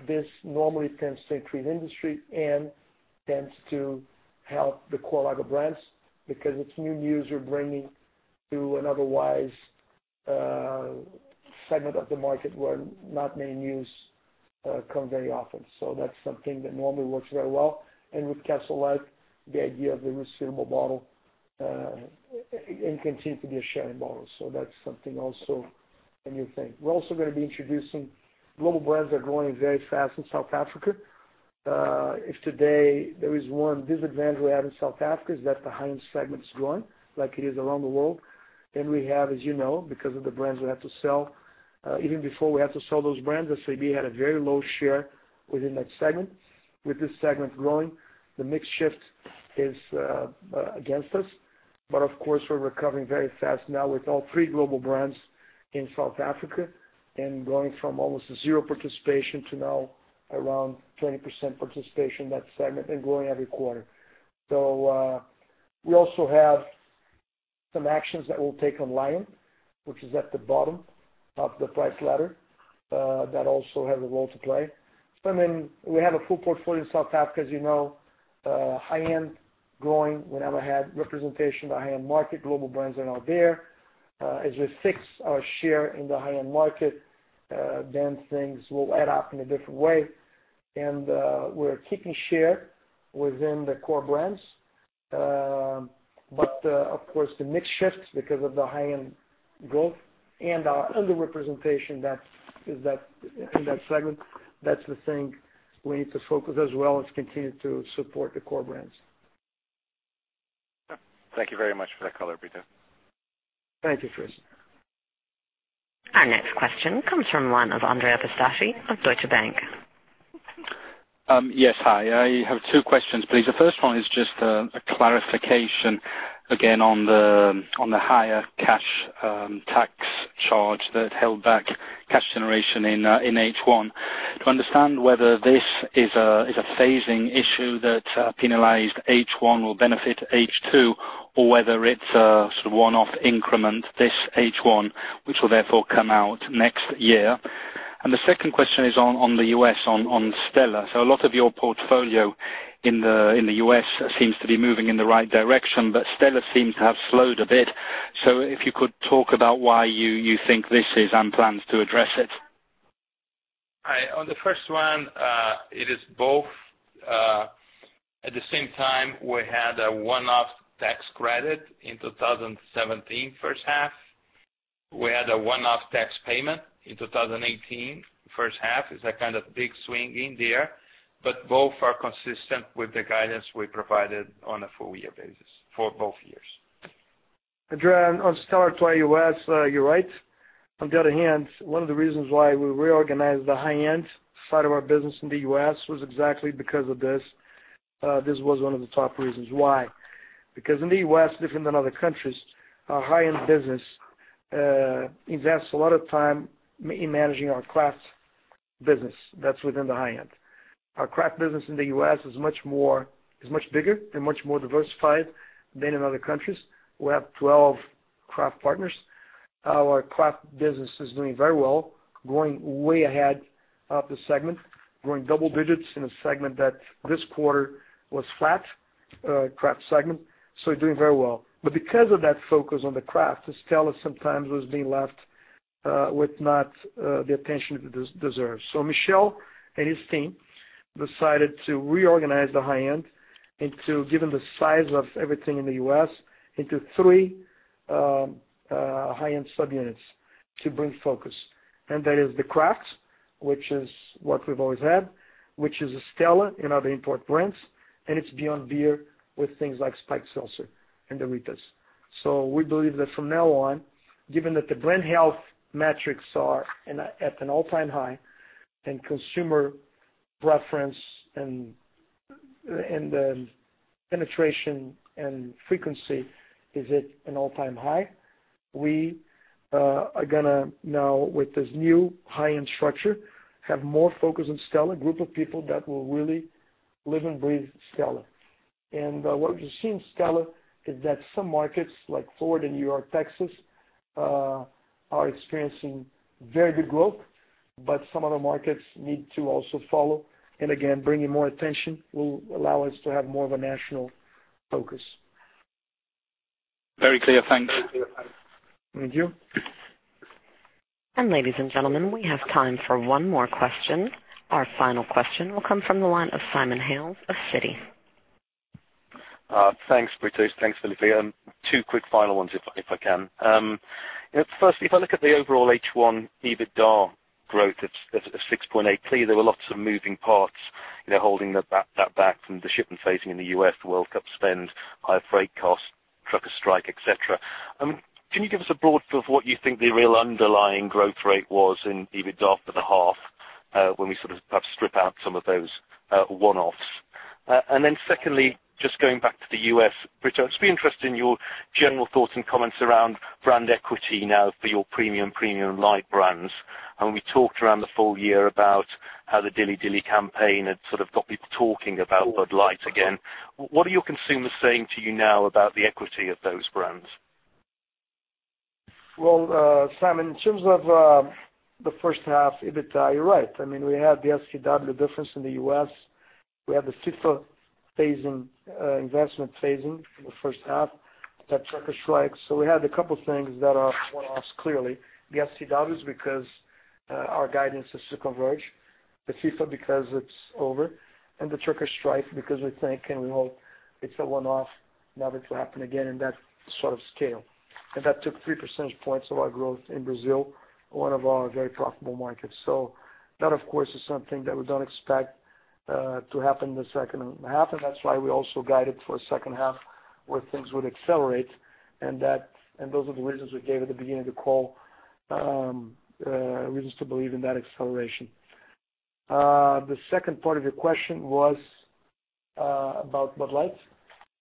this normally tends to increase industry and tends to help the core lager brands because it's new news we're bringing to an otherwise segment of the market where not many news come very often. That's something that normally works very well. With Castle Lite, the idea of the resealable bottle, and continue to be a sharing bottle. That's something also a new thing. We're also going to be introducing global brands that are growing very fast in South Africa. If today there is one disadvantage we have in South Africa is that the high-end segment is growing like it is around the world. We have, as you know, because of the brands we have to sell, even before we have to sell those brands, SAB had a very low share within that segment. With this segment growing, the mix shift is against us. But of course, we're recovering very fast now with all three global brands in South Africa and growing from almost 0 participation to now around 20% participation in that segment and growing every quarter. We also have some actions that we'll take on Lion, which is at the bottom of the price ladder. That also has a role to play. We have a full portfolio in South Africa, as you know. High-end growing. We never had representation in the high-end market. Global brands are now there. As we fix our share in the high-end market, things will add up in a different way. We're keeping share within the core brands. Of course, the mix shifts because of the high-end growth and our under-representation in that segment. That's the thing we need to focus as well as continue to support the core brands. Thank you very much for that color, Brito. Thank you, Tristan. Our next question comes from one of Andrea Pistacchi of Deutsche Bank. Yes, hi. I have two questions, please. The first one is just a clarification again, on the higher cash tax charge that held back cash generation in H1. To understand whether this is a phasing issue that penalized H1 will benefit H2, or whether it's a one-off increment this H1, which will therefore come out next year. The second question is on the U.S., on Stella. A lot of your portfolio in the U.S. seems to be moving in the right direction, but Stella seems to have slowed a bit. If you could talk about why you think this is and plans to address it. On the first one, it is both. At the same time, we had a one-off tax credit in 2017 first half. We had a one-off tax payment in 2018 first half. It's a kind of big swing in there, but both are consistent with the guidance we provided on a full year basis for both years. Andrea, on Stella, to your U.S., you're right. On the other hand, one of the reasons why we reorganized the high-end side of our business in the U.S. was exactly because of this. This was one of the top reasons why. In the U.S., different than other countries, our high-end business invests a lot of time in managing our craft business that's within the high end. Our craft business in the U.S. is much bigger and much more diversified than in other countries. We have 12 craft partners. Our craft business is doing very well, going way ahead of the segment, growing double digits in a segment that this quarter was flat, craft segment. Doing very well. Because of that focus on the craft, Stella sometimes was being left with not the attention it deserves. Michel and his team decided to reorganize the high end into, given the size of everything in the U.S., into three high-end subunits to bring focus. That is the crafts, which is what we've always had, which is Stella and other import brands, and it's beyond beer with things like spiked seltzer and the Ritas. We believe that from now on, given that the brand health metrics are at an all-time high, and consumer preference and the penetration and frequency is at an all-time high, we are going to now, with this new high-end structure, have more focus on Stella, group of people that will really live and breathe Stella. What we've seen in Stella is that some markets, like Florida and New York, Texas, are experiencing very good growth, but some other markets need to also follow. Bringing more attention will allow us to have more of a national focus. Very clear. Thanks. Thank you. Ladies and gentlemen, we have time for one more question. Our final question will come from the line of Simon Hales of Citi. Thanks, Brito. Thanks, Felipe. Two quick final ones, if I can. Firstly, if I look at the overall H1 EBITDA growth, it's at 6.8. Clearly, there were lots of moving parts holding that back from the shipping phasing in the U.S., the World Cup spend, higher freight costs, trucker strike, et cetera. Can you give us a broad view of what you think the real underlying growth rate was in EBITDA for the half, when we perhaps strip out some of those one-offs? Secondly, just going back to the U.S., Brito, I'd just be interested in your general thoughts and comments around brand equity now for your premium light brands. We talked around the full year about how the Dilly Dilly campaign had got people talking about Bud Light again. What are your consumers saying to you now about the equity of those brands? Well, Simon, in terms of the first half EBITDA, you're right. We had the STW difference in the U.S. We had the FIFA phasing, investment phasing in the first half. That trucker strike. We had a couple things that are one-offs, clearly. The STW is because our guidance is to converge, the FIFA because it's over, and the trucker strike because we think, and we hope it's a one-off, never to happen again in that sort of scale. That took three percentage points of our growth in Brazil, one of our very profitable markets. That, of course, is something that we don't expect to happen in the second half. That's why we also guided for a second half where things would accelerate, and those are the reasons we gave at the beginning of the call, reasons to believe in that acceleration. The second part of your question was about Bud Light?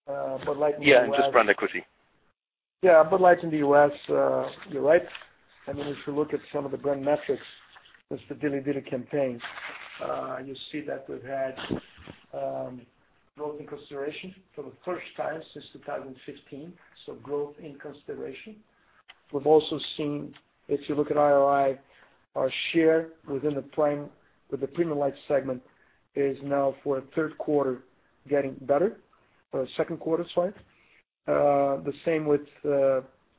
Bud Light in the U.S.- Yeah, just brand equity. Yeah. Bud Light in the U.S., you're right. If you look at some of the brand metrics since the Dilly Dilly campaign, you see that we've had growth in consideration for the first time since 2015. Growth in consideration. We've also seen, if you look at IRI, our share within the premium light segment is now for a third quarter getting better, or second quarter, sorry. The same with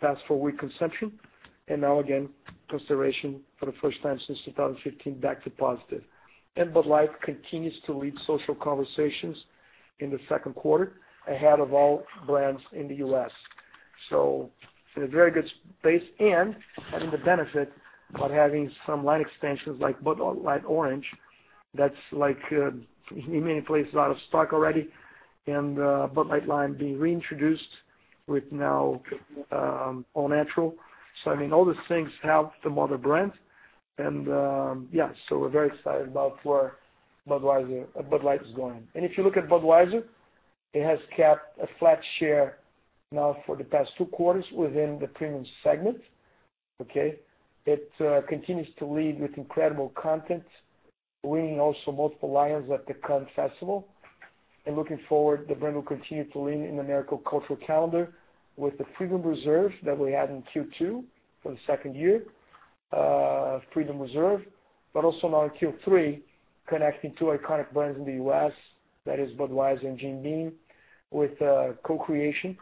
past four-week consumption. Now again, consideration for the first time since 2015, back to positive. Bud Light continues to lead social conversations in the second quarter, ahead of all brands in the U.S. It's in a very good space, and having the benefit about having some line extensions like Bud Light Orange, that's in many places out of stock already, and Bud Light Lime being reintroduced with now all-natural. All these things help the mother brand. We're very excited about where Bud Light is going. If you look at Budweiser, it has kept a flat share now for the past two quarters within the premium segment. Okay. It continues to lead with incredible content, winning also multiple Lions at the Cannes Festival. Looking forward, the brand will continue to lean in the American cultural calendar with the Freedom Reserve that we had in Q2 for the second year, Freedom Reserve. Also now in Q3, connecting two iconic brands in the U.S., that is Budweiser and Jim Beam, with co-creation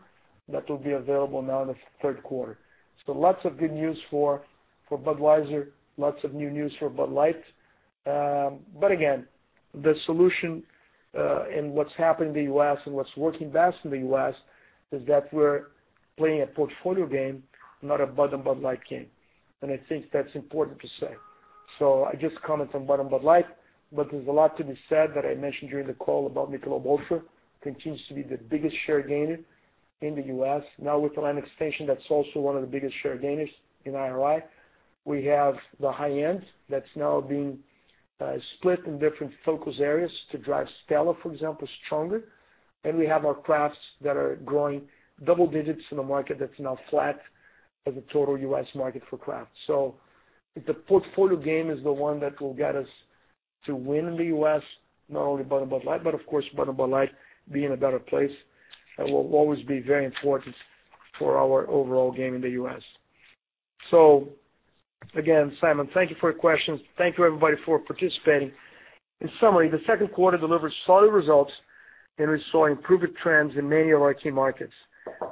that will be available now in the third quarter. Lots of good news for Budweiser, lots of new news for Bud Light. Again, the solution in what's happened in the U.S. and what's working best in the U.S., is that we're playing a portfolio game, not a Bud and Bud Light game. I think that's important to say. I just commented on Bud and Bud Light, but there's a lot to be said that I mentioned during the call about Michelob ULTRA. Continues to be the biggest share gainer in the U.S., now with the line extension, that's also one of the biggest share gainers in IRI. We have the high-end that's now being split in different focus areas to drive Stella, for example, stronger. We have our crafts that are growing double digits in a market that's now flat as a total U.S. market for craft. The portfolio game is the one that will get us to win in the U.S., not only Bud and Bud Light, but of course, Bud and Bud Light be in a better place. That will always be very important for our overall game in the U.S. Again, Simon, thank you for your questions. Thank you everybody for participating. In summary, the second quarter delivered solid results, and we saw improved trends in many of our key markets.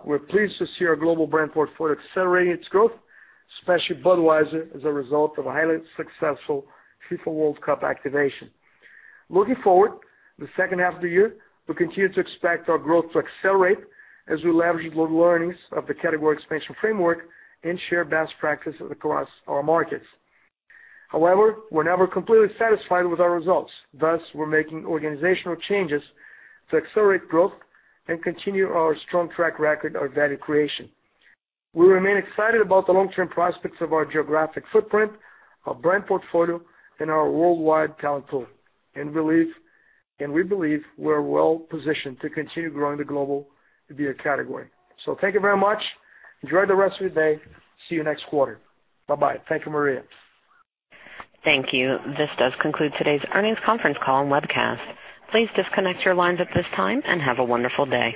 We're pleased to see our global brand portfolio accelerating its growth, especially Budweiser, as a result of a highly successful FIFA World Cup activation. Looking forward, the second half of the year, we continue to expect our growth to accelerate as we leverage the learnings of the category expansion framework and share best practices across our markets. However, we're never completely satisfied with our results. Thus, we're making organizational changes to accelerate growth and continue our strong track record of value creation. We remain excited about the long-term prospects of our geographic footprint, our brand portfolio, and our worldwide talent pool. We believe we're well-positioned to continue growing the global beer category. Thank you very much. Enjoy the rest of your day. See you next quarter. Bye-bye. Thank you, Maria. Thank you. This does conclude today's earnings conference call and webcast. Please disconnect your lines at this time and have a wonderful day.